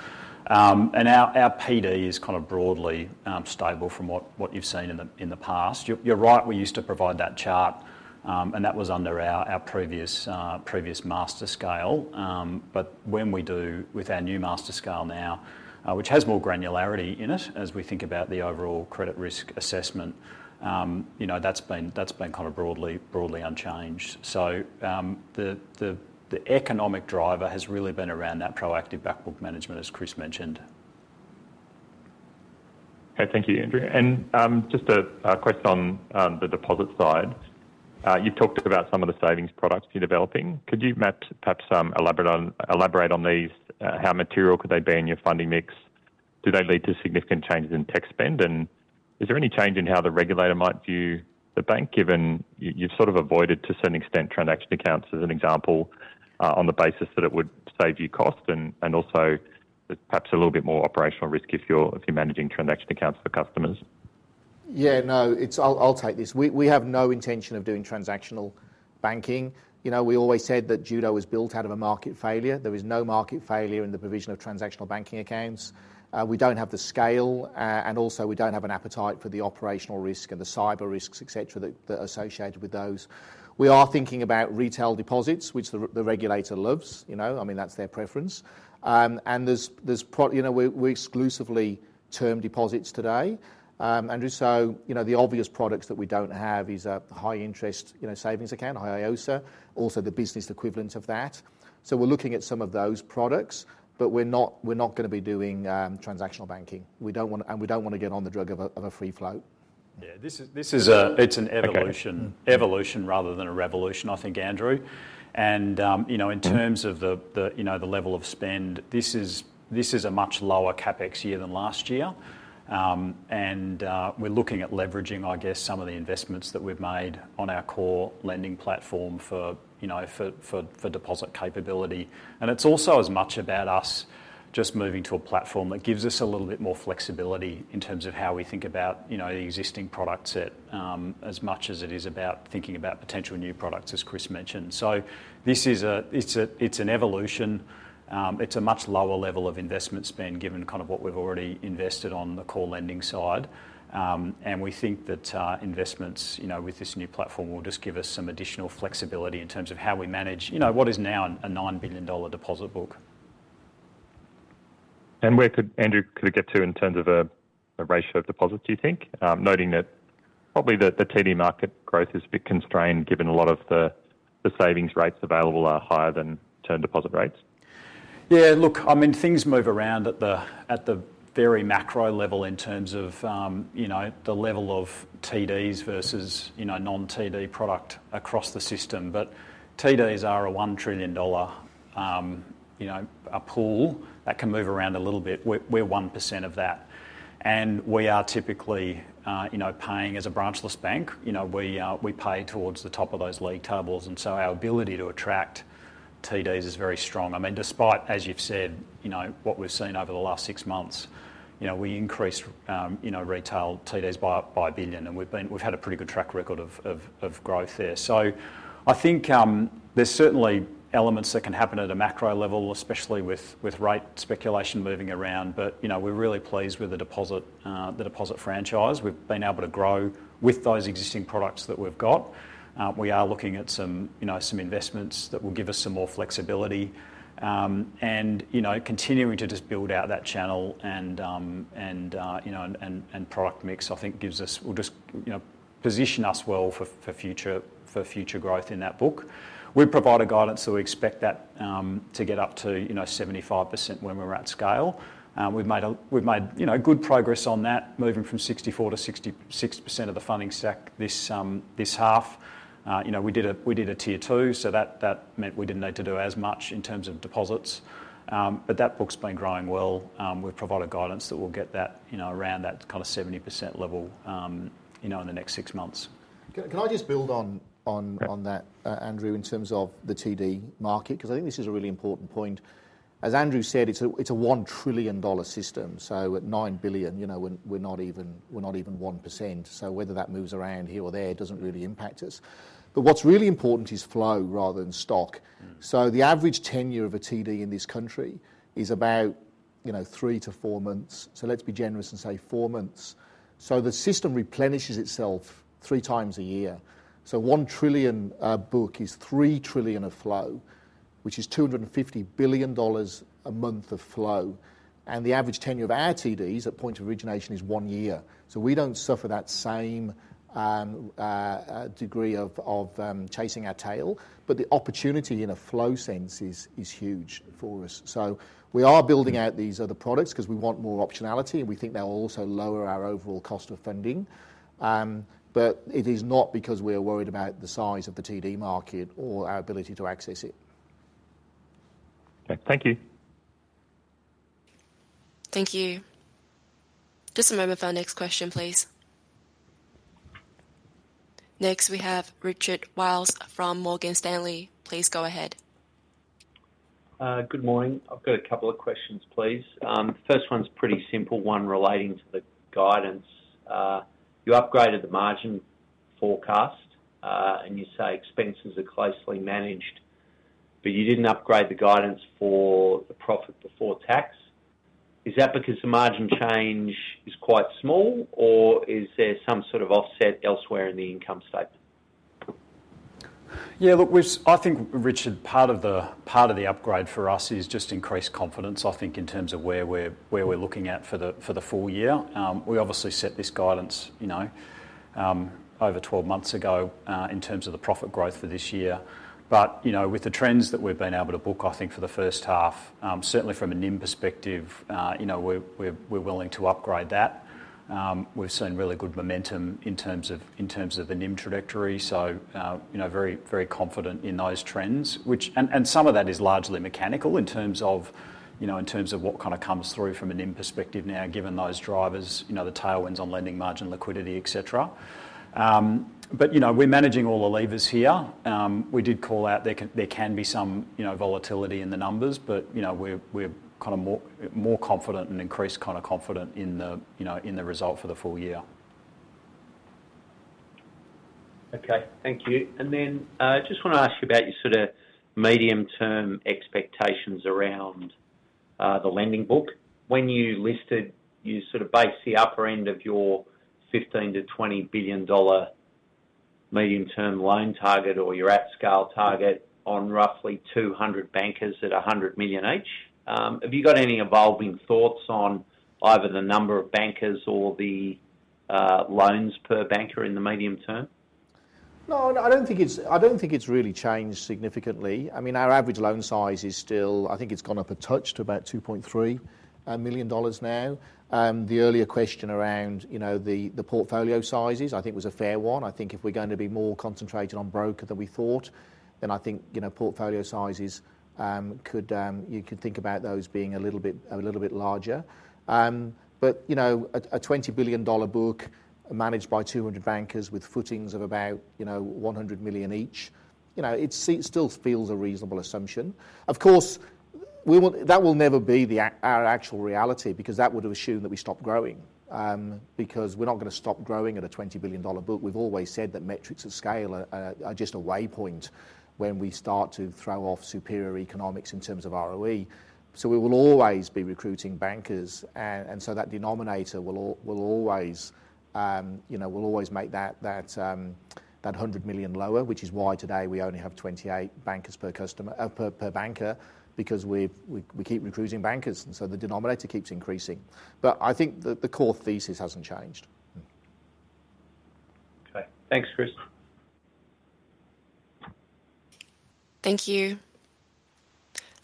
And our PD is kind of broadly stable from what you've seen in the past. You're right. We used to provide that chart, and that was under our previous master scale. But when we do with our new master scale now, which has more granularity in it as we think about the overall credit risk assessment, that's been kind of broadly unchanged. So the economic driver has really been around that proactive back-book management, as Chris mentioned. Okay. Thank you, Andrew. And just a question on the deposit side. You've talked about some of the savings products you're developing. Could you, Matt, perhaps elaborate on these? How material could they be in your funding mix? Do they lead to significant changes in tech spend? And is there any change in how the regulator might view the bank, given you've sort of avoided to some extent transaction accounts as an example on the basis that it would save you cost and also perhaps a little bit more operational risk if you're managing transaction accounts for customers? Yeah, no, I'll take this. We have no intention of doing transactional banking. We always said that Judo was built out of a market failure. There is no market failure in the provision of transactional banking accounts. We don't have the scale. And also, we don't have an appetite for the operational risk and the cyber risks, etc., that are associated with those. We are thinking about retail deposits, which the regulator loves. I mean, that's their preference. And we're exclusively term deposits today. And so the obvious products that we don't have is a high-interest savings account, HISA, also the business equivalent of that. So we're looking at some of those products, but we're not going to be doing transactional banking. And we don't want to get on the drug of a free float. Yeah. This is an evolution rather than a revolution, I think, Andrew. And in terms of the level of spend, this is a much lower CapEx year than last year. And we're looking at leveraging, I guess, some of the investments that we've made on our core lending platform for deposit capability. And it's also as much about us just moving to a platform that gives us a little bit more flexibility in terms of how we think about the existing products as much as it is about thinking about potential new products, as Chris mentioned. So it's an evolution. It's a much lower level of investment spend given kind of what we've already invested on the core lending side. And we think that investments with this new platform will just give us some additional flexibility in terms of how we manage what is now a 9 billion dollar deposit book. Andrew, could it get to in terms of a ratio of deposits, do you think, noting that probably the TD market growth is a bit constrained given a lot of the savings rates available are higher than term deposit rates? Yeah. Look, I mean, things move around at the very macro level in terms of the level of TDs versus non-TD product across the system. But TDs are a 1 trillion dollar pool that can move around a little bit. We're 1% of that. And we are typically paying as a branchless bank. We pay towards the top of those league tables. And so our ability to attract TDs is very strong. I mean, despite, as you've said, what we've seen over the last six months, we increased retail TDs by 1 billion. And we've had a pretty good track record of growth there. So I think there's certainly elements that can happen at a macro level, especially with rate speculation moving around. But we're really pleased with the deposit franchise. We've been able to grow with those existing products that we've got. We are looking at some investments that will give us some more flexibility and continuing to just build out that channel and product mix, I think, will just position us well for future growth in that book. We provide a guidance that we expect that to get up to 75% when we're at scale. We've made good progress on that, moving from 64%-66% of the funding stack this half. We did a Tier 2, so that meant we didn't need to do as much in terms of deposits, but that book's been growing well. We provide a guidance that we'll get that around that kind of 70% level in the next six months. Can I just build on that, Andrew, in terms of the TD market? Because I think this is a really important point. As Andrew said, it's a 1 trillion dollar system. So at 9 billion, we're not even 1%. So whether that moves around here or there doesn't really impact us. But what's really important is flow rather than stock. So the average tenure of a TD in this country is about three to four months. So let's be generous and say four months. So the system replenishes itself three times a year. So 1 trillion book is 3 trillion of flow, which is 250 billion dollars a month of flow. And the average tenure of our TDs at point of origination is one year. So we don't suffer that same degree of chasing our tail. But the opportunity in a flow sense is huge for us. So we are building out these other products because we want more optionality, and we think they'll also lower our overall cost of funding. But it is not because we are worried about the size of the TD market or our ability to access it. Okay. Thank you. Thank you. Just a moment for our next question, please. Next, we have Richard Wiles from Morgan Stanley. Please go ahead. Good morning. I've got a couple of questions, please. The first one's a pretty simple one relating to the guidance. You upgraded the margin forecast, and you say expenses are closely managed, but you didn't upgrade the guidance for the profit before tax. Is that because the margin change is quite small, or is there some sort of offset elsewhere in the income statement? Yeah, look, I think, Richard, part of the upgrade for us is just increased confidence, I think, in terms of where we're looking at for the full year. We obviously set this guidance over 12 months ago in terms of the profit growth for this year. But with the trends that we've been able to book, I think, for the first half, certainly from a NIM perspective, we're willing to upgrade that. We've seen really good momentum in terms of the NIM trajectory. So very confident in those trends. And some of that is largely mechanical in terms of what kind of comes through from a NIM perspective now, given those drivers, the tailwinds on lending margin, liquidity, etc. But we're managing all the levers here. We did call out there can be some volatility in the numbers, but we're kind of more confident and increasingly confident in the result for the full year. Okay. Thank you. And then I just want to ask you about your sort of medium-term expectations around the lending book. When you listed, you sort of based the upper end of your 15-20 billion dollar medium-term loan target or your at-scale target on roughly 200 bankers at 100 million each. Have you got any evolving thoughts on either the number of bankers or the loans per banker in the medium term? No, I don't think it's really changed significantly. I mean, our average loan size is still I think it's gone up a touch to about 2.3 million dollars now. The earlier question around the portfolio sizes, I think, was a fair one. I think if we're going to be more concentrated on broker than we thought, then I think portfolio sizes, you could think about those being a little bit larger. But a 20 billion dollar book managed by 200 bankers with footings of about 100 million each, it still feels a reasonable assumption. Of course, that will never be our actual reality because that would have assumed that we stopped growing because we're not going to stop growing at a 20 billion dollar book. We've always said that metrics of scale are just a waypoint when we start to throw off superior economics in terms of ROE. We will always be recruiting bankers. That denominator will always make that 100 million lower, which is why today we only have 28 bankers per banker because we keep recruiting bankers. The denominator keeps increasing. I think the core thesis hasn't changed. Okay. Thanks, Chris. Thank you.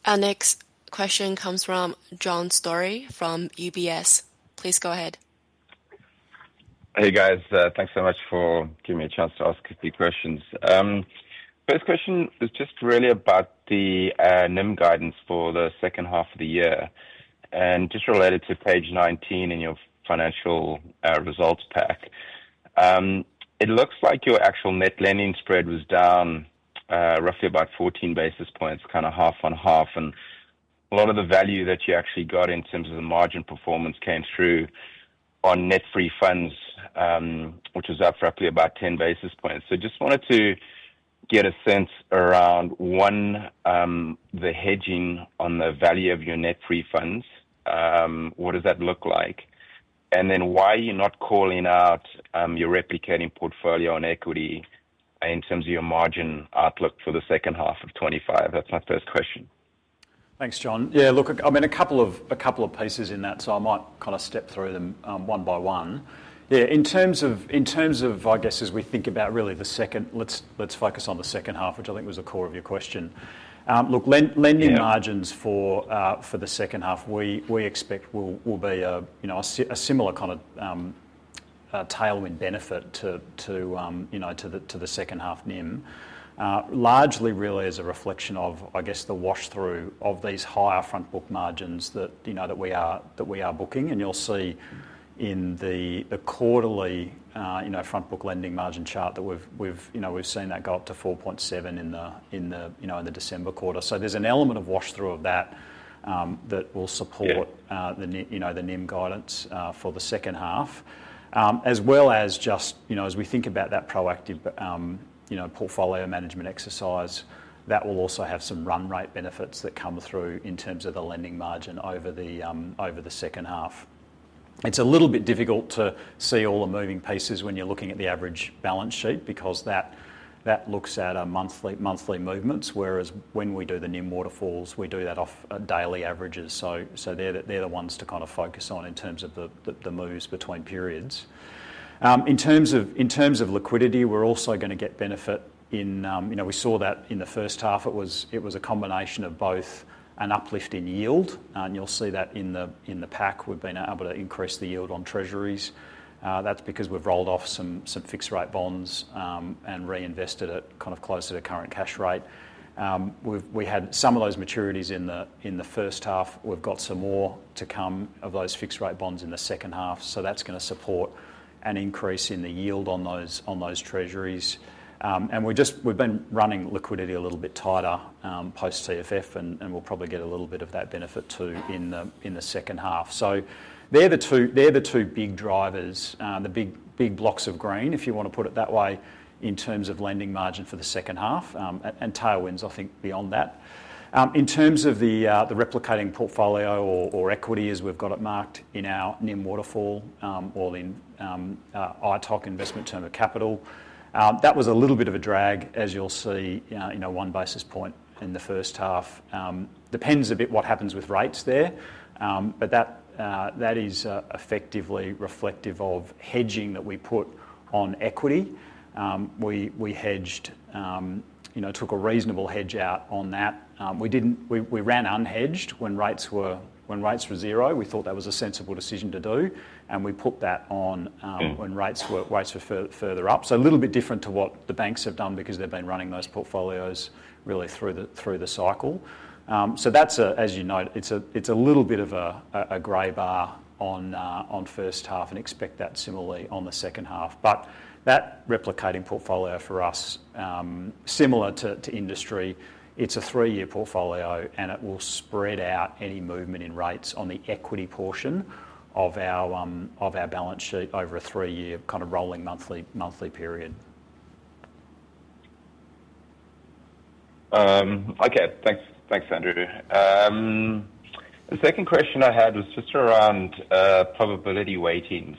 Our next question comes from John Storey from UBS. Please go ahead. Hey, guys. Thanks so much for giving me a chance to ask a few questions. First question is just really about the NIM guidance for the second half of the year and just related to page 19 in your financial results pack. It looks like your actual net lending spread was down roughly about 14 basis points, kind of half on half, and a lot of the value that you actually got in terms of the margin performance came through on net-free funds, which was up roughly about 10 basis points, so just wanted to get a sense around, one, the hedging on the value of your net-free funds. What does that look like, and then why are you not calling out your replicating portfolio on equity in terms of your margin outlook for the second half of 2025? That's my first question. Thanks, John. Yeah, look, I mean, a couple of pieces in that, so I might kind of step through them one by one. Yeah, in terms of, I guess, as we think about really the second, let's focus on the second half, which I think was the core of your question. Look, lending margins for the second half, we expect will be a similar kind of tailwind benefit to the second half NIM, largely really as a reflection of, I guess, the wash-through of these higher front-book margins that we are booking. And you'll see in the quarterly front-book lending margin chart that we've seen that go up to 4.7 in the December quarter. So there's an element of wash-through of that that will support the NIM guidance for the second half, as well as just as we think about that proactive portfolio management exercise, that will also have some run rate benefits that come through in terms of the lending margin over the second half. It's a little bit difficult to see all the moving pieces when you're looking at the average balance sheet because that looks at monthly movements, whereas when we do the NIM waterfalls, we do that off daily averages. So they're the ones to kind of focus on in terms of the moves between periods. In terms of liquidity, we're also going to get benefit. We saw that in the first half. It was a combination of both an uplift in yield, and you'll see that in the pack. We've been able to increase the yield on Treasuries. That's because we've rolled off some fixed-rate bonds and reinvested it kind of closer to current cash rate. We had some of those maturities in the first half. We've got some more to come of those fixed-rate bonds in the second half. So that's going to support an increase in the yield on those Treasuries. And we've been running liquidity a little bit tighter post-TFF, and we'll probably get a little bit of that benefit too in the second half. So they're the two big drivers, the big blocks of green, if you want to put it that way, in terms of lending margin for the second half and tailwinds, I think, beyond that. In terms of the replicating portfolio or equity, as we've got it marked in our NIM waterfall or in ITOC investment term of capital, that was a little bit of a drag, as you'll see, one basis point in the first half. Depends a bit what happens with rates there, but that is effectively reflective of hedging that we put on equity. We took a reasonable hedge out on that. We ran unhedged when rates were zero. We thought that was a sensible decision to do. And we put that on when rates were further up. So a little bit different to what the banks have done because they've been running those portfolios really through the cycle. So that's, as you know, it's a little bit of a grey bar on first half and expect that similarly on the second half. But that replicating portfolio for us, similar to industry, it's a three-year portfolio, and it will spread out any movement in rates on the equity portion of our balance sheet over a three-year kind of rolling monthly period. Okay. Thanks, Andrew. The second question I had was just around probability weightings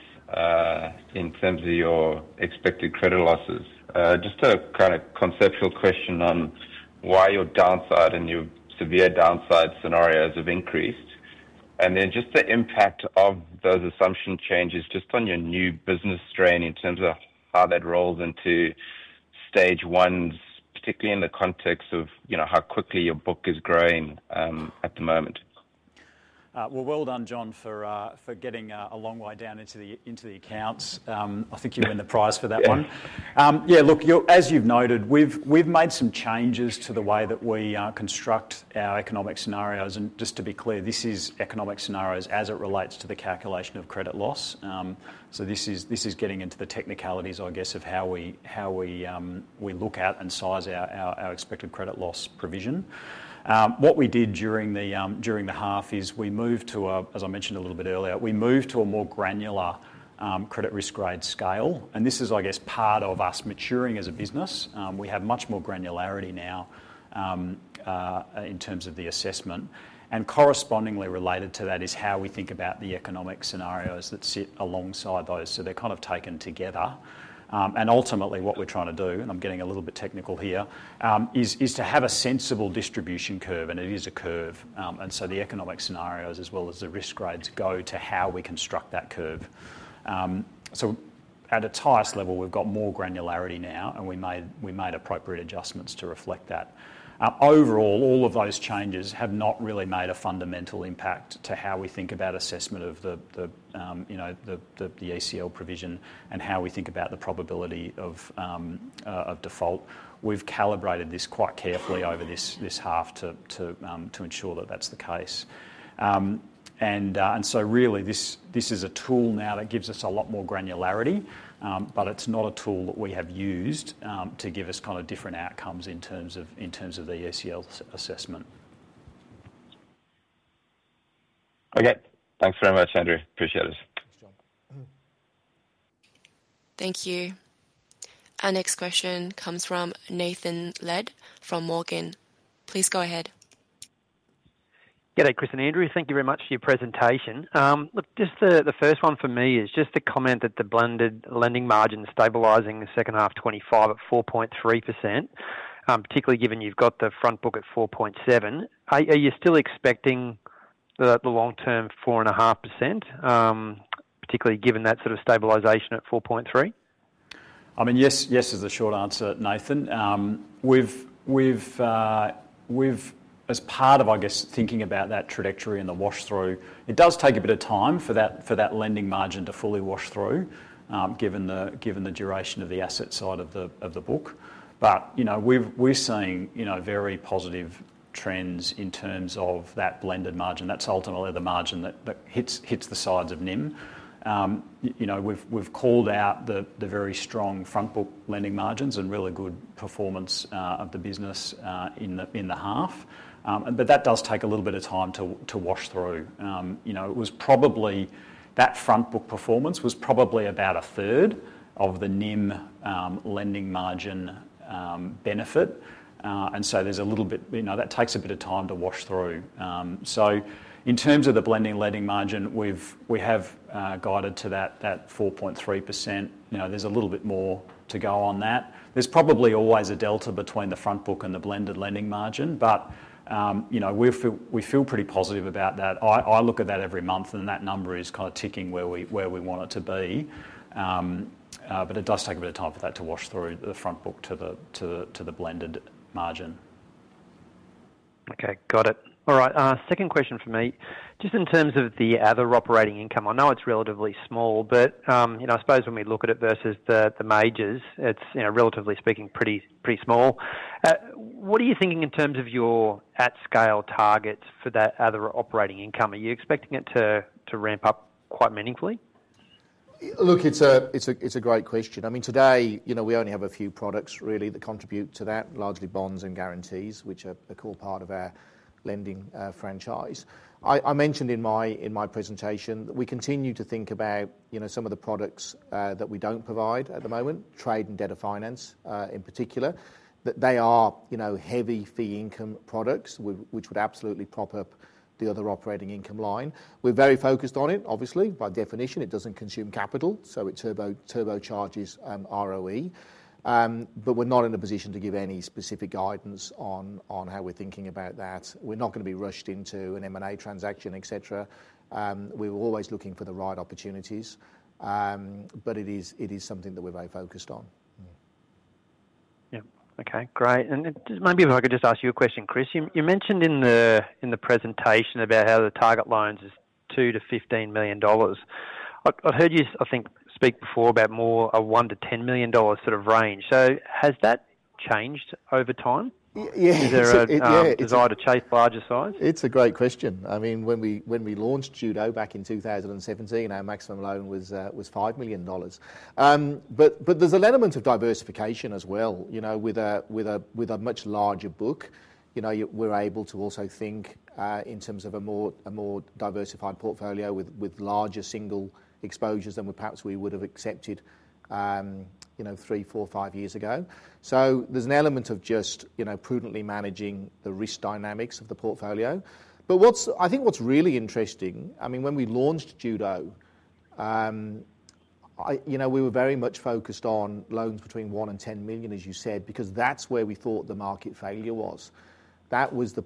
in terms of your expected credit losses. Just a kind of conceptual question on why your downside and your severe downside scenarios have increased. And then just the impact of those assumption changes just on your new business strain in terms of how that rolls into Stage 1s, particularly in the context of how quickly your book is growing at the moment. Well, well done, John, for getting a long way down into the accounts. I think you win the prize for that one. Yeah, look, as you've noted, we've made some changes to the way that we construct our economic scenarios. And just to be clear, this is economic scenarios as it relates to the calculation of credit loss. So this is getting into the technicalities, I guess, of how we look at and size our expected credit loss provision. What we did during the half is we moved to a, as I mentioned a little bit earlier, we moved to a more granular credit risk grade scale. And this is, I guess, part of us maturing as a business. We have much more granularity now in terms of the assessment. And correspondingly related to that is how we think about the economic scenarios that sit alongside those. So they're kind of taken together. And ultimately, what we're trying to do, and I'm getting a little bit technical here, is to have a sensible distribution curve. And it is a curve. And so the economic scenarios, as well as the risk grades, go to how we construct that curve. So at a tight level, we've got more granularity now, and we made appropriate adjustments to reflect that. Overall, all of those changes have not really made a fundamental impact to how we think about assessment of the ECL provision and how we think about the probability of default. We've calibrated this quite carefully over this half to ensure that that's the case. And so really, this is a tool now that gives us a lot more granularity, but it's not a tool that we have used to give us kind of different outcomes in terms of the ECL assessment. Okay. Thanks very much, Andrew. Appreciate it. Thank you. Our next question comes from Nathan Lead from Morgans Financial Limited. Please go ahead. G'day, Chris and Andrew. Thank you very much for your presentation. Look, just the first one for me is just to comment that the blended lending margin is stabilizing the second half 2025 at 4.3%, particularly given you've got the front book at 4.7%. Are you still expecting the long-term 4.5%, particularly given that sort of stabilization at 4.3%? I mean, yes, yes is the short answer, Nathan. As part of, I guess, thinking about that trajectory and the wash-through, it does take a bit of time for that lending margin to fully wash through given the duration of the asset side of the book. But we're seeing very positive trends in terms of that blended margin. That's ultimately the margin that hits the sides of NIM. We've called out the very strong front-book lending margins and really good performance of the business in the half. But that does take a little bit of time to wash through. That front-book performance was probably about a third of the NIM lending margin benefit. And so there's a little bit that takes a bit of time to wash through. So in terms of the blended lending margin, we have guided to that 4.3%. There's a little bit more to go on that. There's probably always a delta between the front book and the blended lending margin, but we feel pretty positive about that. I look at that every month, and that number is kind of ticking where we want it to be. But it does take a bit of time for that to wash through the front book to the blended margin. Okay. Got it. All right. Second question for me. Just in terms of the other operating income, I know it's relatively small, but I suppose when we look at it versus the majors, it's, relatively speaking, pretty small. What are you thinking in terms of your at-scale targets for that other operating income? Are you expecting it to ramp up quite meaningfully? Look, it's a great question. I mean, today, we only have a few products, really, that contribute to that, largely bonds and guarantees, which are a core part of our lending franchise. I mentioned in my presentation that we continue to think about some of the products that we don't provide at the moment, trade and debtor finance in particular, that they are heavy fee income products, which would absolutely prop up the other operating income line. We're very focused on it, obviously. By definition, it doesn't consume capital, so it turbocharges ROE. But we're not in a position to give any specific guidance on how we're thinking about that. We're not going to be rushed into an M&A transaction, etc. We were always looking for the right opportunities, but it is something that we're very focused on. Yeah. Okay. Great. And maybe if I could just ask you a question, Chris. You mentioned in the presentation about how the target loans is $2-$15 million. I've heard you, I think, speak before about more a $1-$10 million sort of range. So has that changed over time? Is there a desire to chase larger size? It's a great question. I mean, when we launched Judo back in 2017, our maximum loan was $5 million. But there's an element of diversification as well. With a much larger book, we're able to also think in terms of a more diversified portfolio with larger single exposures than perhaps we would have accepted three, four, five years ago. So there's an element of just prudently managing the risk dynamics of the portfolio. But I think what's really interesting, I mean, when we launched Judo, we were very much focused on loans between $1 and $10 million, as you said, because that's where we thought the market failure was. That was the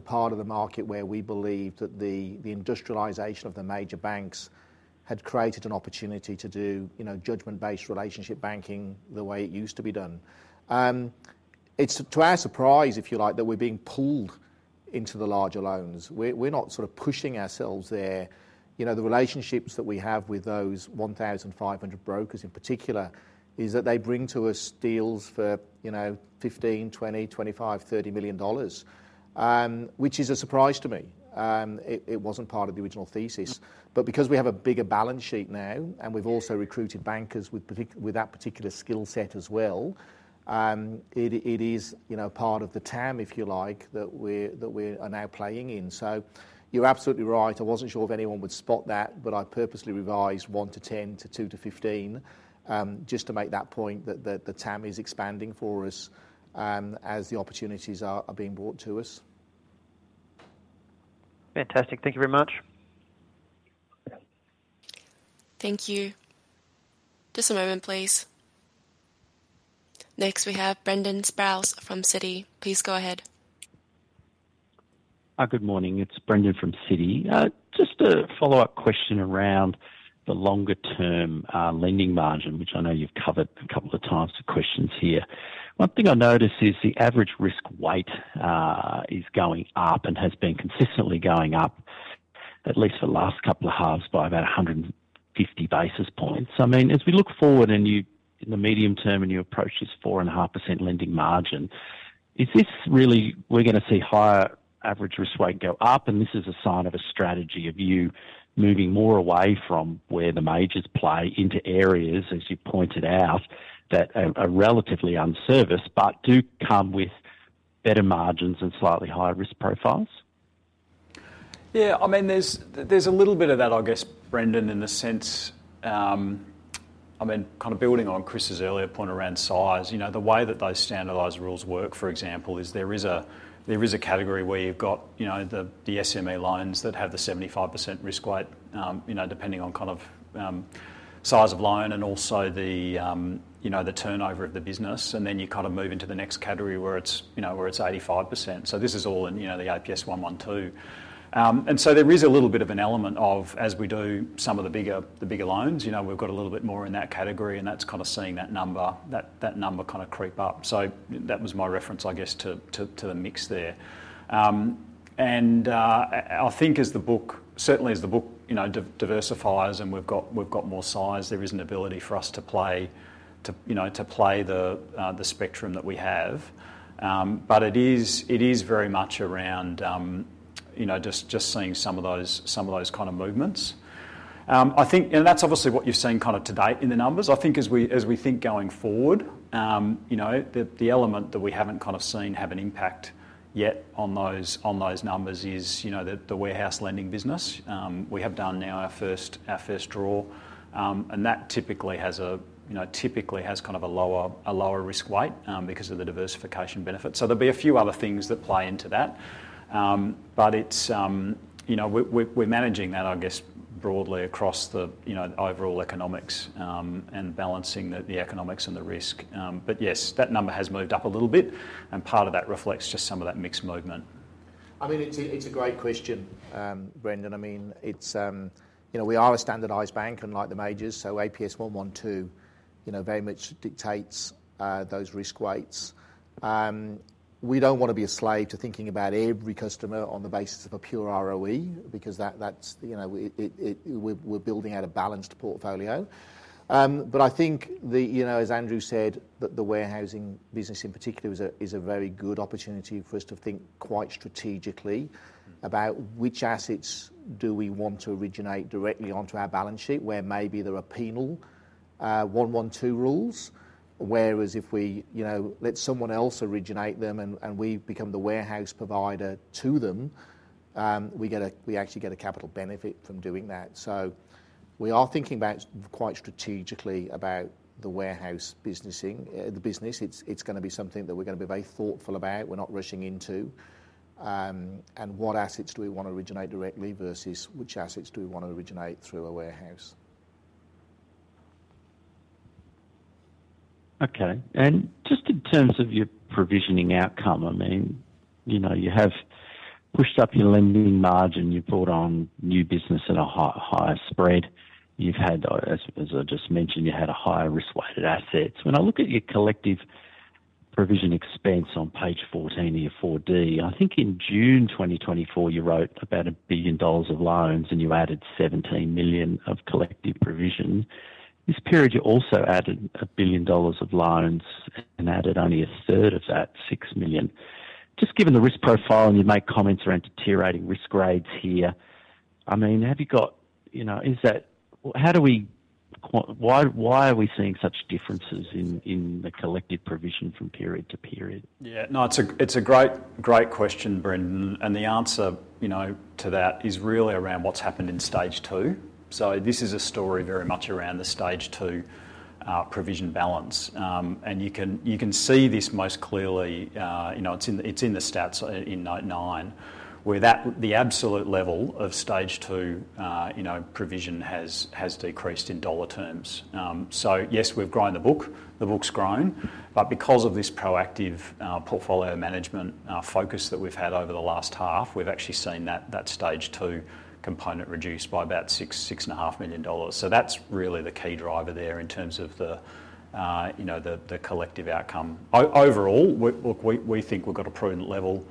part of the market where we believed that the industrialization of the major banks had created an opportunity to do judgment-based relationship banking the way it used to be done. It's, to our surprise, if you like, that we're being pulled into the larger loans. We're not sort of pushing ourselves there. The relationships that we have with those 1,500 brokers in particular is that they bring to us deals for 15, 20, 25, 30 million dollars, which is a surprise to me. It wasn't part of the original thesis. But because we have a bigger balance sheet now, and we've also recruited bankers with that particular skill set as well, it is part of the TAM, if you like, that we're now playing in. So you're absolutely right. I wasn't sure if anyone would spot that, but I purposely revised 1 to 10 to 2 to 15 just to make that point that the TAM is expanding for us as the opportunities are being brought to us. Fantastic. Thank you very much. Thank you. Just a moment, please. Next, we have Brendan Sproules from Citi. Please go ahead. Hi, good morning. It's Brendan from Citi. Just a follow-up question around the longer-term lending margin, which I know you've covered a couple of times the questions here. One thing I noticed is the average risk weight is going up and has been consistently going up, at least for the last couple of halves, by about 150 basis points. I mean, as we look forward in the medium term and you approach this 4.5% lending margin, is this really we're going to see higher average risk weight go up? And this is a sign of a strategy of you moving more away from where the majors play into areas, as you pointed out, that are relatively unserviced but do come with better margins and slightly higher risk profiles? Yeah. I mean, there's a little bit of that, I guess, Brendan, in the sense, I mean, kind of building on Chris's earlier point around size. The way that those standardized rules work, for example, is there is a category where you've got the SME loans that have the 75% risk weight depending on kind of size of loan and also the turnover of the business. And then you kind of move into the next category where it's 85%. So this is all in the APS 112. And so there is a little bit of an element of, as we do some of the bigger loans, we've got a little bit more in that category, and that's kind of seeing that number kind of creep up. So that was my reference, I guess, to the mix there. And I think as the book, certainly as the book diversifies and we've got more size, there is an ability for us to play the spectrum that we have. But it is very much around just seeing some of those kind of movements. And that's obviously what you've seen kind of to date in the numbers. I think as we think going forward, the element that we haven't kind of seen have an impact yet on those numbers is the warehouse lending business. We have done now our first draw, and that typically has kind of a lower risk weight because of the diversification benefits. So there'll be a few other things that play into that. But we're managing that, I guess, broadly across the overall economics and balancing the economics and the risk. But yes, that number has moved up a little bit, and part of that reflects just some of that mixed movement. I mean, it's a great question, Brendan. I mean, we are a standardized bank unlike the majors, so APS 112 very much dictates those risk weights. We don't want to be a slave to thinking about every customer on the basis of a pure ROE because we're building out a balanced portfolio. But I think, as Andrew said, that the warehousing business in particular is a very good opportunity for us to think quite strategically about which assets do we want to originate directly onto our balance sheet where maybe there are penal 112 rules, whereas if we let someone else originate them and we become the warehouse provider to them, we actually get a capital benefit from doing that. So we are thinking about quite strategically about the warehouse business. It's going to be something that we're going to be very thoughtful about. We're not rushing into. And what assets do we want to originate directly versus which assets do we want to originate through a warehouse? Okay. And just in terms of your provisioning outcome, I mean, you have pushed up your lending margin. You've brought on new business at a higher spread. You've had, as I just mentioned, you had a higher risk-weighted assets. When I look at your collective provision expense on page 14 of your 4D, I think in June 2024, you wrote about 1 billion dollars of loans, and you added 17 million of collective provision. This period, you also added 1 billion dollars of loans and added only a third of that, 6 million. Just given the risk profile, and you make comments around deteriorating risk grades here, I mean, have you got how do we why are we seeing such differences in the collective provision from period to period? Yeah. No, it's a great question, Brendan. And the answer to that is really around what's happened in Stage 2. So this is a story very much around the Stage 2 provision balance. And you can see this most clearly. It's in the stats in '09 where the absolute level of Stage 2 provision has decreased in dollar terms. So yes, we've grown the book. The book's grown. But because of this proactive portfolio management focus that we've had over the last half, we've actually seen that Stage 2 component reduce by about 6-6.5 million dollars. So that's really the key driver there in terms of the collective outcome. Overall, look, we think we've got a prudent level.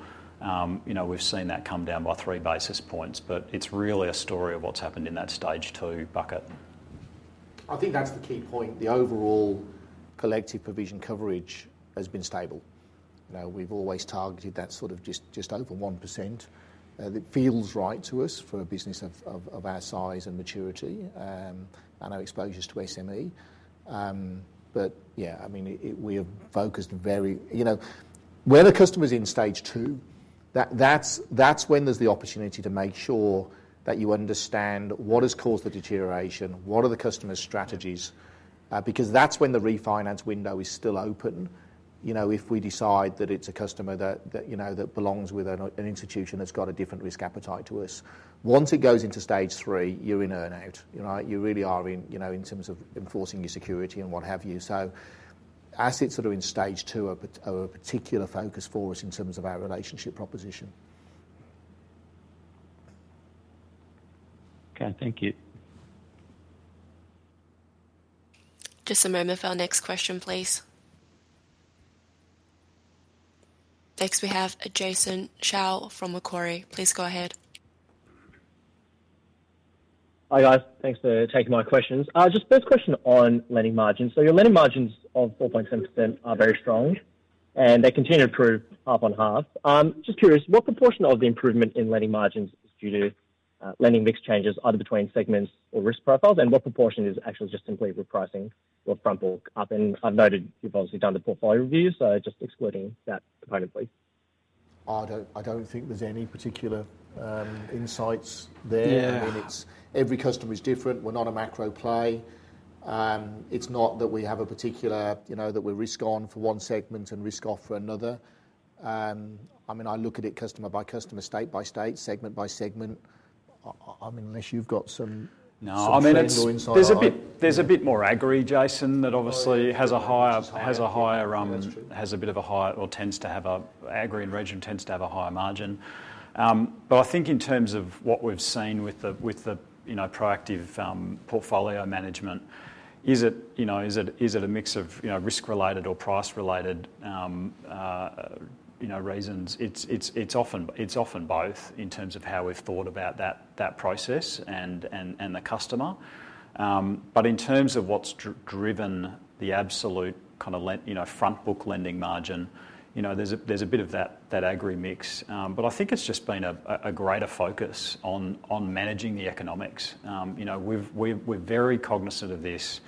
We've seen that come down by three basis points, but it's really a story of what's happened in that Stage 2 bucket. I think that's the key point. The overall collective provision coverage has been stable. We've always targeted that sort of just over 1%. It feels right to us for a business of our size and maturity and our exposures to SME. But yeah, I mean, we have focused wherever the customer's in Stage 2, that's when there's the opportunity to make sure that you understand what has caused the deterioration, what are the customer's strategies, because that's when the refinance window is still open if we decide that it's a customer that belongs with an institution that's got a different risk appetite to us. Once it goes into Stage 3, you're in workout. You really are in terms of enforcing your security and what have you. So assets that are in Stage 2 are a particular focus for us in terms of our relationship proposition. Okay. Thank you. Just a moment for our next question, please. Next, we have Jason Steed from Macquarie. Please go ahead. Hi, guys. Thanks for taking my questions. Just first question on lending margins. So your lending margins of 4.7% are very strong, and they continue to improve half on half. Just curious, what proportion of the improvement in lending margins is due to lending mix changes either between segments or risk profiles, and what proportion is actually just simply repricing your front book up? And I've noted you've obviously done the portfolio review, so just excluding that component, please. I don't think there's any particular insights there. I mean, every customer is different. We're not a macro play. It's not that we have a particular that we risk on for one segment and risk off for another. I mean, I look at it customer by customer, state by state, segment by segment. I mean, unless you've got some insight. No. I mean, there's a bit more Agri, Jason, that obviously has a bit of a higher or tends to have a Agri in region tends to have a higher margin. But I think in terms of what we've seen with the proactive portfolio management, is it a mix of risk-related or price-related reasons? It's often both in terms of how we've thought about that process and the customer. But in terms of what's driven the absolute kind of front book lending margin, there's a bit of that Agri mix. But I think it's just been a greater focus on managing the economics. We're very cognizant of this.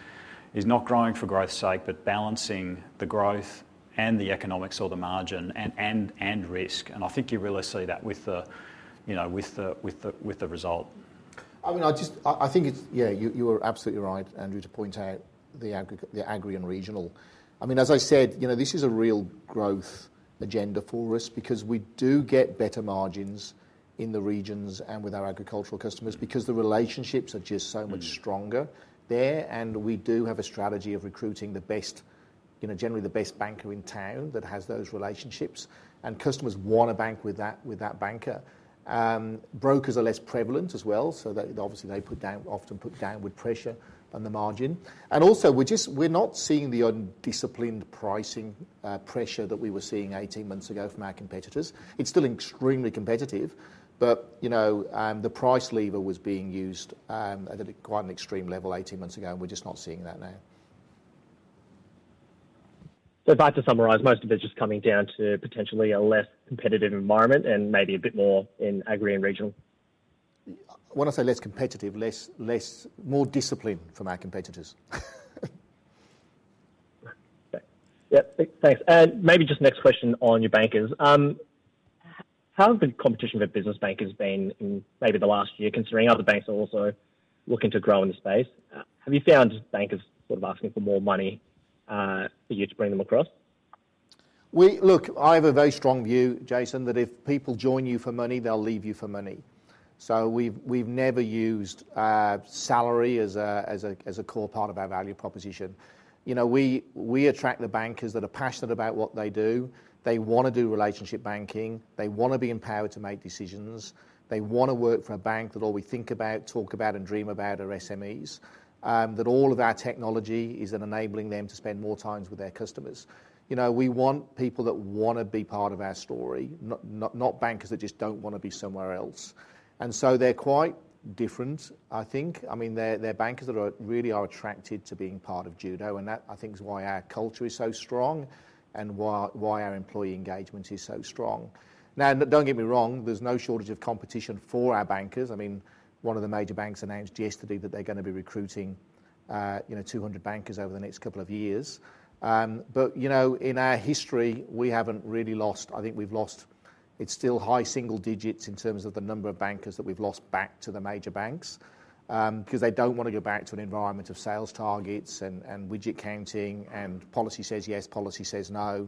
It's not growing for growth's sake, but balancing the growth and the economics or the margin and risk. And I think you really see that with the result. I mean, I think it's yeah, you are absolutely right, Andrew, to point out the Agri and regional. I mean, as I said, this is a real growth agenda for us because we do get better margins in the regions and with our agricultural customers because the relationships are just so much stronger there. And we do have a strategy of recruiting the best, generally the best banker in town that has those relationships. And customers want to bank with that banker. Brokers are less prevalent as well. So obviously, they often put downward pressure on the margin. And also, we're not seeing the undisciplined pricing pressure that we were seeing 18 months ago from our competitors. It's still extremely competitive, but the price lever was being used at quite an extreme level 18 months ago, and we're just not seeing that now. So if I had to summarize, most of it's just coming down to potentially a less competitive environment and maybe a bit more in Agri and regional. When I say less competitive, more discipline from our competitors. Okay. Yep. Thanks, and maybe just next question on your bankers. How has the competition for business bankers been in maybe the last year considering other banks are also looking to grow in the space? Have you found bankers sort of asking for more money for you to bring them across? Look, I have a very strong view, Jason, that if people join you for money, they'll leave you for money. So we've never used salary as a core part of our value proposition. We attract the bankers that are passionate about what they do. They want to do relationship banking. They want to be empowered to make decisions. They want to work for a bank that all we think about, talk about, and dream about are SMEs, that all of our technology is enabling them to spend more time with their customers. We want people that want to be part of our story, not bankers that just don't want to be somewhere else. And so they're quite different, I think. I mean, they're bankers that really are attracted to being part of Judo, and that, I think, is why our culture is so strong and why our employee engagement is so strong. Now, don't get me wrong, there's no shortage of competition for our bankers. I mean, one of the major banks announced yesterday that they're going to be recruiting 200 bankers over the next couple of years. But in our history, we haven't really lost. I think we've lost. It's still high single digits in terms of the number of bankers that we've lost back to the major banks because they don't want to go back to an environment of sales targets and widget counting and policy says yes, policy says no,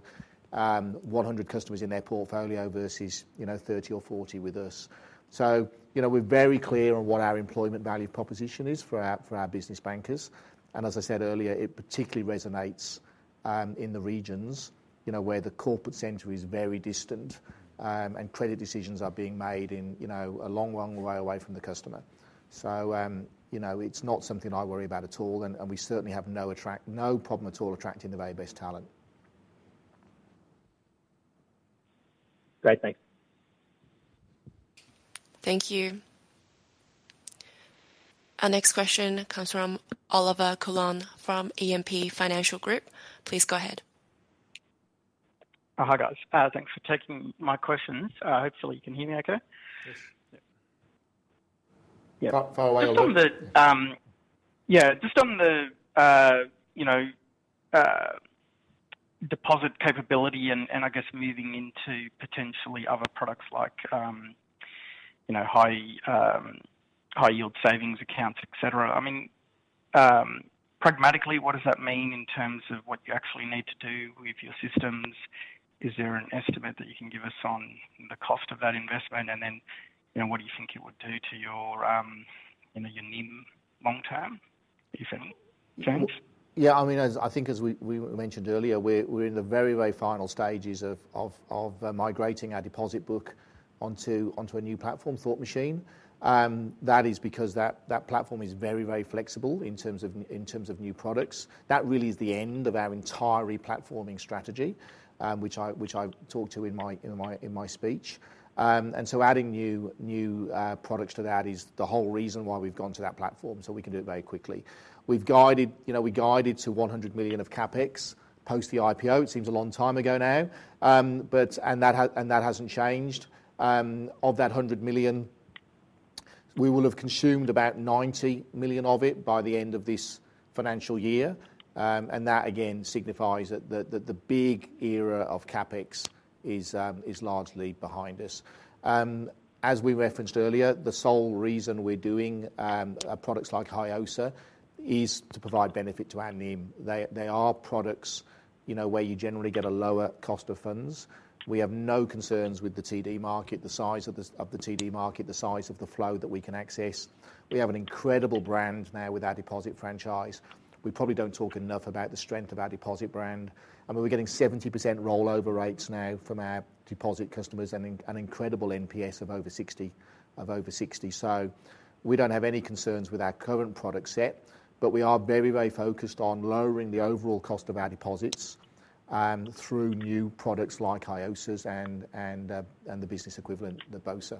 100 customers in their portfolio versus 30 or 40 with us. So we're very clear on what our employment value proposition is for our business bankers. And as I said earlier, it particularly resonates in the regions where the corporate center is very distant and credit decisions are being made a long, long way away from the customer. So it's not something I worry about at all, and we certainly have no problem at all attracting the very best talent. Great. Thanks. Thank you. Our next question comes from Oliver Coulling from E&P Financial Group. Please go ahead. Hi, guys. Thanks for taking my questions. Hopefully, you can hear me okay. Yes. Yeah. Far away. Yeah. Just on the deposit capability and, I guess, moving into potentially other products like high-yield savings accounts, etc., I mean, pragmatically, what does that mean in terms of what you actually need to do with your systems? Is there an estimate that you can give us on the cost of that investment? And then what do you think it would do to your NIM long term, if any change? Yeah. I mean, I think as we mentioned earlier, we're in the very, very final stages of migrating our deposit book onto a new platform, Thought Machine. That is because that platform is very, very flexible in terms of new products. That really is the end of our entire replatforming strategy, which I talked to in my speech, and so adding new products to that is the whole reason why we've gone to that platform so we can do it very quickly. We guided to 100 million of CapEx post the IPO. It seems a long time ago now, and that hasn't changed. Of that 100 million, we will have consumed about 90 million of it by the end of this financial year, and that, again, signifies that the big era of CapEx is largely behind us. As we referenced earlier, the sole reason we're doing products like HISA is to provide benefit to our NIM. They are products where you generally get a lower cost of funds. We have no concerns with the TD market, the size of the TD market, the size of the flow that we can access. We have an incredible brand now with our deposit franchise. We probably don't talk enough about the strength of our deposit brand. I mean, we're getting 70% rollover rates now from our deposit customers and an incredible NPS of over 60. So we don't have any concerns with our current product set, but we are very, very focused on lowering the overall cost of our deposits through new products like HISAs and the business equivalent, the BOSA.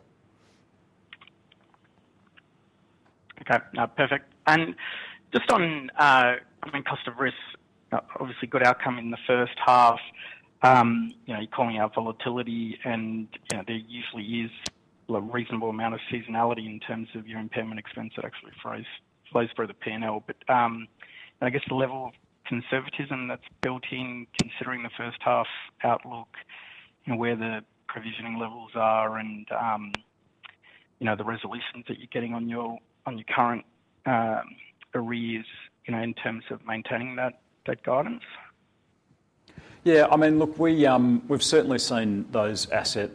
Okay. Perfect. And just on ongoing cost of risk, obviously, good outcome in the first half. You're calling out volatility, and there usually is a reasonable amount of seasonality in terms of your impairment expense that actually flows through the P&L. But I guess the level of conservatism that's built in considering the first half outlook, where the provisioning levels are and the resolutions that you're getting on your current arrears in terms of maintaining that guidance? Yeah. I mean, look, we've certainly seen those asset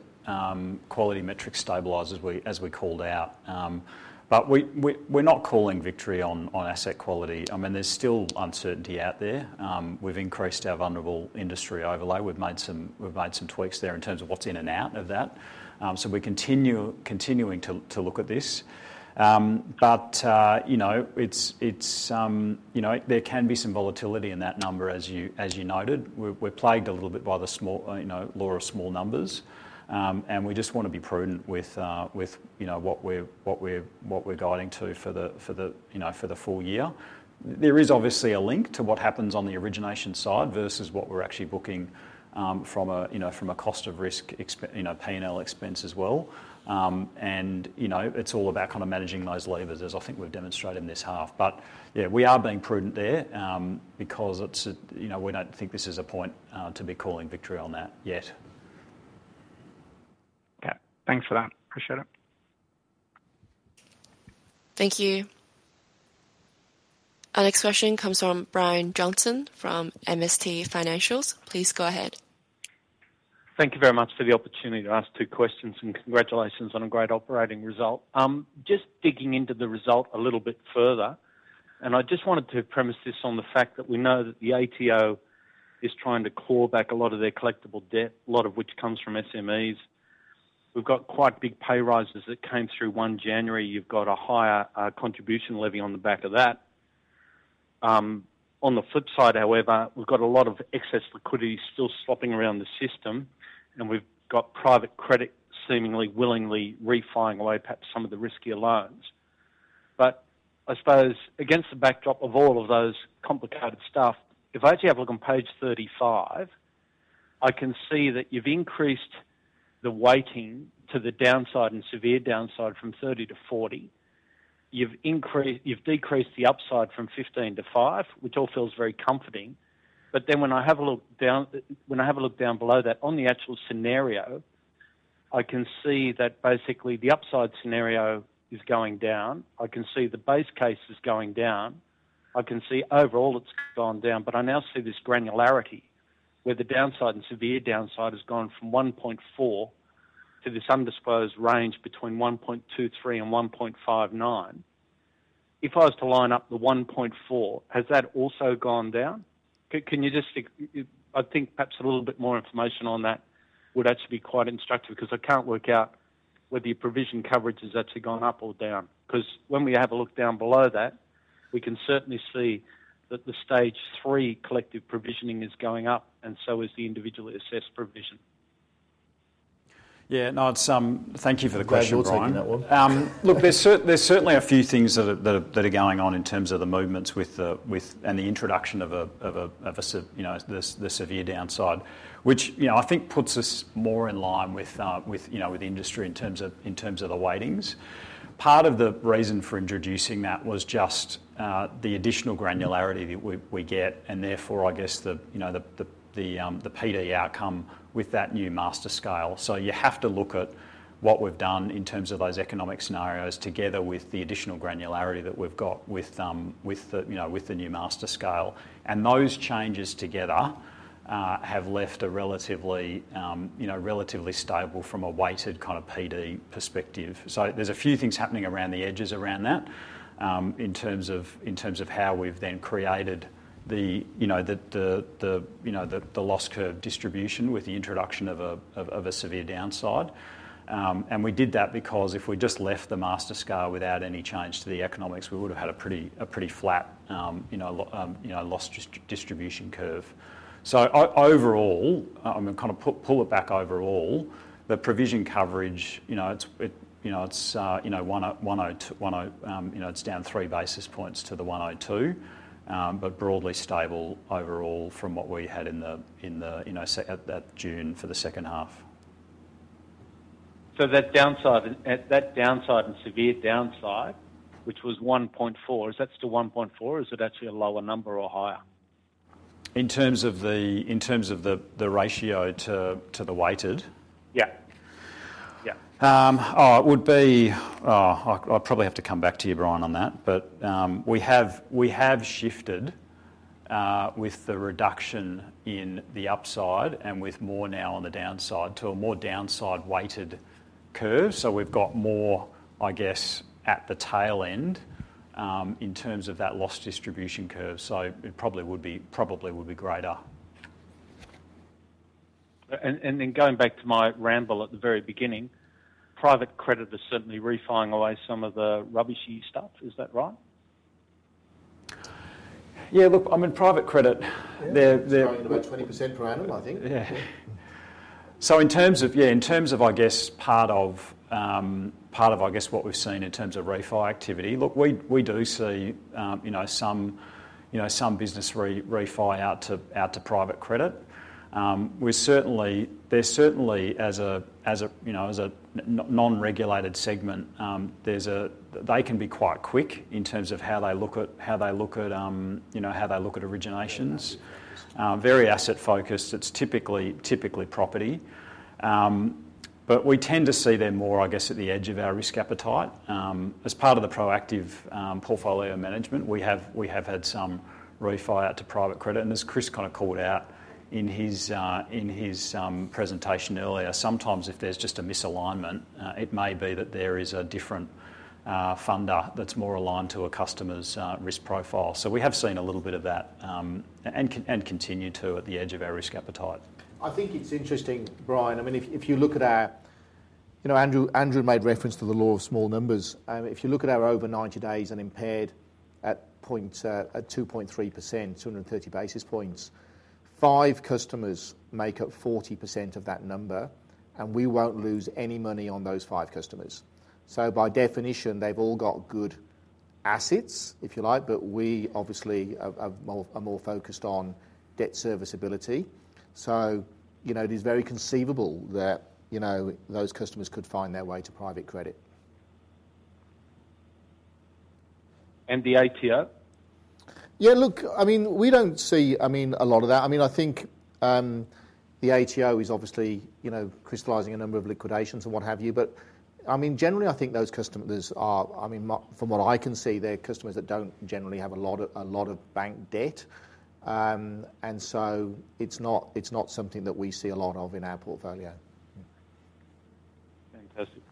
quality metrics stabilize as we called out. But we're not calling victory on asset quality. I mean, there's still uncertainty out there. We've increased our vulnerable industry overlay. We've made some tweaks there in terms of what's in and out of that. So we're continuing to look at this. But there can be some volatility in that number, as you noted. We're plagued a little bit by the law of small numbers, and we just want to be prudent with what we're guiding to for the full year. There is obviously a link to what happens on the origination side versus what we're actually booking from a cost of risk, P&L expense as well. And it's all about kind of managing those levers, as I think we've demonstrated in this half. But yeah, we are being prudent there because we don't think this is a point to be calling victory on that yet. Okay. Thanks for that. Appreciate it. Thank you. Our next question comes from Brian Johnson from MST Financial. Please go ahead. Thank you very much for the opportunity to ask two questions, and congratulations on a great operating result. Just digging into the result a little bit further, and I just wanted to premise this on the fact that we know that the ATO is trying to claw back a lot of their collectible debt, a lot of which comes from SMEs. We've got quite big pay rises that came through 1 January. You've got a higher contribution levy on the back of that. On the flip side, however, we've got a lot of excess liquidity still swapping around the system, and we've got private credit seemingly willingly re-firing away perhaps some of the riskier loans. But I suppose against the backdrop of all of those complicated stuff, if I actually have a look on page 35, I can see that you've increased the weighting to the downside and severe downside from 30 to 40. You've decreased the upside from 15 to five, which all feels very comforting. But then when I have a look down below that, on the actual scenario, I can see that basically the upside scenario is going down. I can see the base case is going down. I can see overall it's gone down, but I now see this granularity where the downside and severe downside has gone from 1.4 to this undisclosed range between 1.23 and 1.59. If I was to line up the 1.4, has that also gone down? Can you just, I think, perhaps a little bit more information on that would actually be quite instructive because I can't work out whether your provision coverage has actually gone up or down. Because when we have a look down below that, we can certainly see that the Stage 3 collective provisioning is going up, and so is the individually assessed provision. Yeah. No, thank you for the question. Yeah. Sure thing. Look, there's certainly a few things that are going on in terms of the movements and the introduction of the severe downside, which I think puts us more in line with industry in terms of the weightings. Part of the reason for introducing that was just the additional granularity that we get, and therefore, I guess, the PD outcome with that new master scale. So you have to look at what we've done in terms of those economic scenarios together with the additional granularity that we've got with the new master scale. And those changes together have left a relatively stable from a weighted kind of PD perspective. So there's a few things happening around the edges around that in terms of how we've then created the loss curve distribution with the introduction of a severe downside. And we did that because if we just left the master scale without any change to the economics, we would have had a pretty flat loss distribution curve. So overall, I'm going to kind of pull it back overall. The provision coverage, it's 1.02. It's down three basis points to the 1.02, but broadly stable overall from what we had in the June for the second half. So that downside and severe downside, which was 1.4, is that still 1.4? Is it actually a lower number or higher? In terms of the ratio to the weighted? Yeah. Yeah. Oh, it would be. I'll probably have to come back to you, Brian, on that. But we have shifted with the reduction in the upside and with more now on the downside to a more downside-weighted curve. So we've got more, I guess, at the tail end in terms of that loss distribution curve. So it probably would be greater. And then going back to my ramble at the very beginning, private credit is certainly re-firing away some of the rubbishy stuff. Is that right? Yeah. Look, I'm in private credit. You're in about 20%, Brian, I think. Yeah. So in terms of, I guess, part of, I guess, what we've seen in terms of refi activity, look, we do see some business refi out to private credit. There's certainly, as a non-regulated segment, they can be quite quick in terms of how they look at originations. Very asset-focused. It's typically property. But we tend to see them more, I guess, at the edge of our risk appetite. As part of the proactive portfolio management, we have had some refi out to private credit. And as Chris kind of called out in his presentation earlier, sometimes if there's just a misalignment, it may be that there is a different funder that's more aligned to a customer's risk profile. So we have seen a little bit of that and continue to at the edge of our risk appetite. I think it's interesting, Brian. I mean, if you look at, as Andrew made reference to the law of small numbers. If you look at our over 90 days and impaired at 2.3%, 230 basis points, five customers make up 40% of that number, and we won't lose any money on those five customers. So by definition, they've all got good assets, if you like, but we obviously are more focused on debt serviceability. So it is very conceivable that those customers could find their way to private credit. And the ATO? Yeah. Look, I mean, we don't see, I mean, a lot of that. I mean, I think the ATO is obviously crystallizing a number of liquidations and what have you. But I mean, generally, I think those customers are, I mean, from what I can see, they're customers that don't generally have a lot of bank debt. And so it's not something that we see a lot of in our portfolio. Fantastic.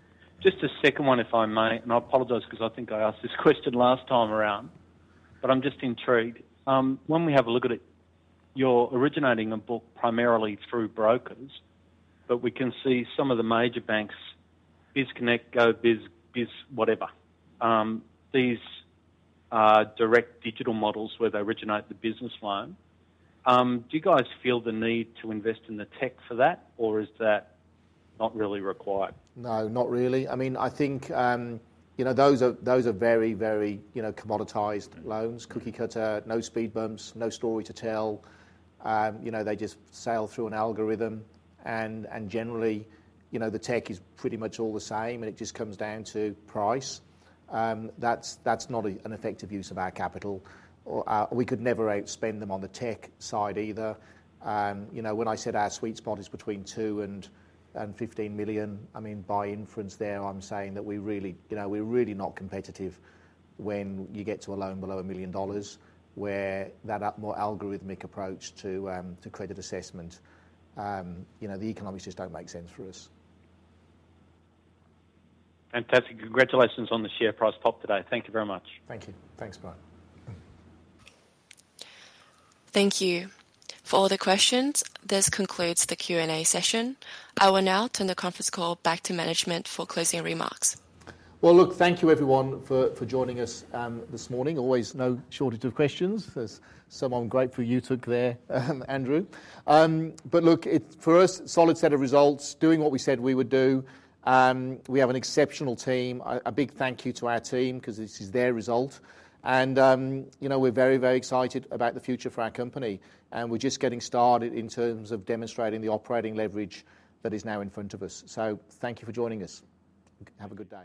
Just a second one, if I may, and I apologize because I think I asked this question last time around, but I'm just intrigued. When we have a look at it, you're originating a book primarily through brokers, but we can see some of the major banks, BizConnect, GoBiz, Biz, whatever, these direct digital models where they originate the business loan. Do you guys feel the need to invest in the tech for that, or is that not really required? No, not really. I mean, I think those are very, very commoditized loans, cookie cutter, no speed bumps, no story to tell. They just sail through an algorithm, and generally, the tech is pretty much all the same, and it just comes down to price. That's not an effective use of our capital. We could never outspend them on the tech side either. When I said our sweet spot is between two and 15 million, I mean, by inference there, I'm saying that we're really not competitive when you get to a loan below a million dollars where that algorithmic approach to credit assessment, the economics just don't make sense for us. Fantastic. Congratulations on the share price pop today. Thank you very much. Thank you. Thanks, Brian. Thank you for all the questions. This concludes the Q&A session. I will now turn the conference call back to management for closing remarks. Look, thank you, everyone, for joining us this morning. Always no shortage of questions. There's some I'm grateful you took there, Andrew. But look, for us, solid set of results, doing what we said we would do. We have an exceptional team. A big thank you to our team because this is their result. And we're very, very excited about the future for our company. And we're just getting started in terms of demonstrating the operating leverage that is now in front of us. So thank you for joining us. Have a good day.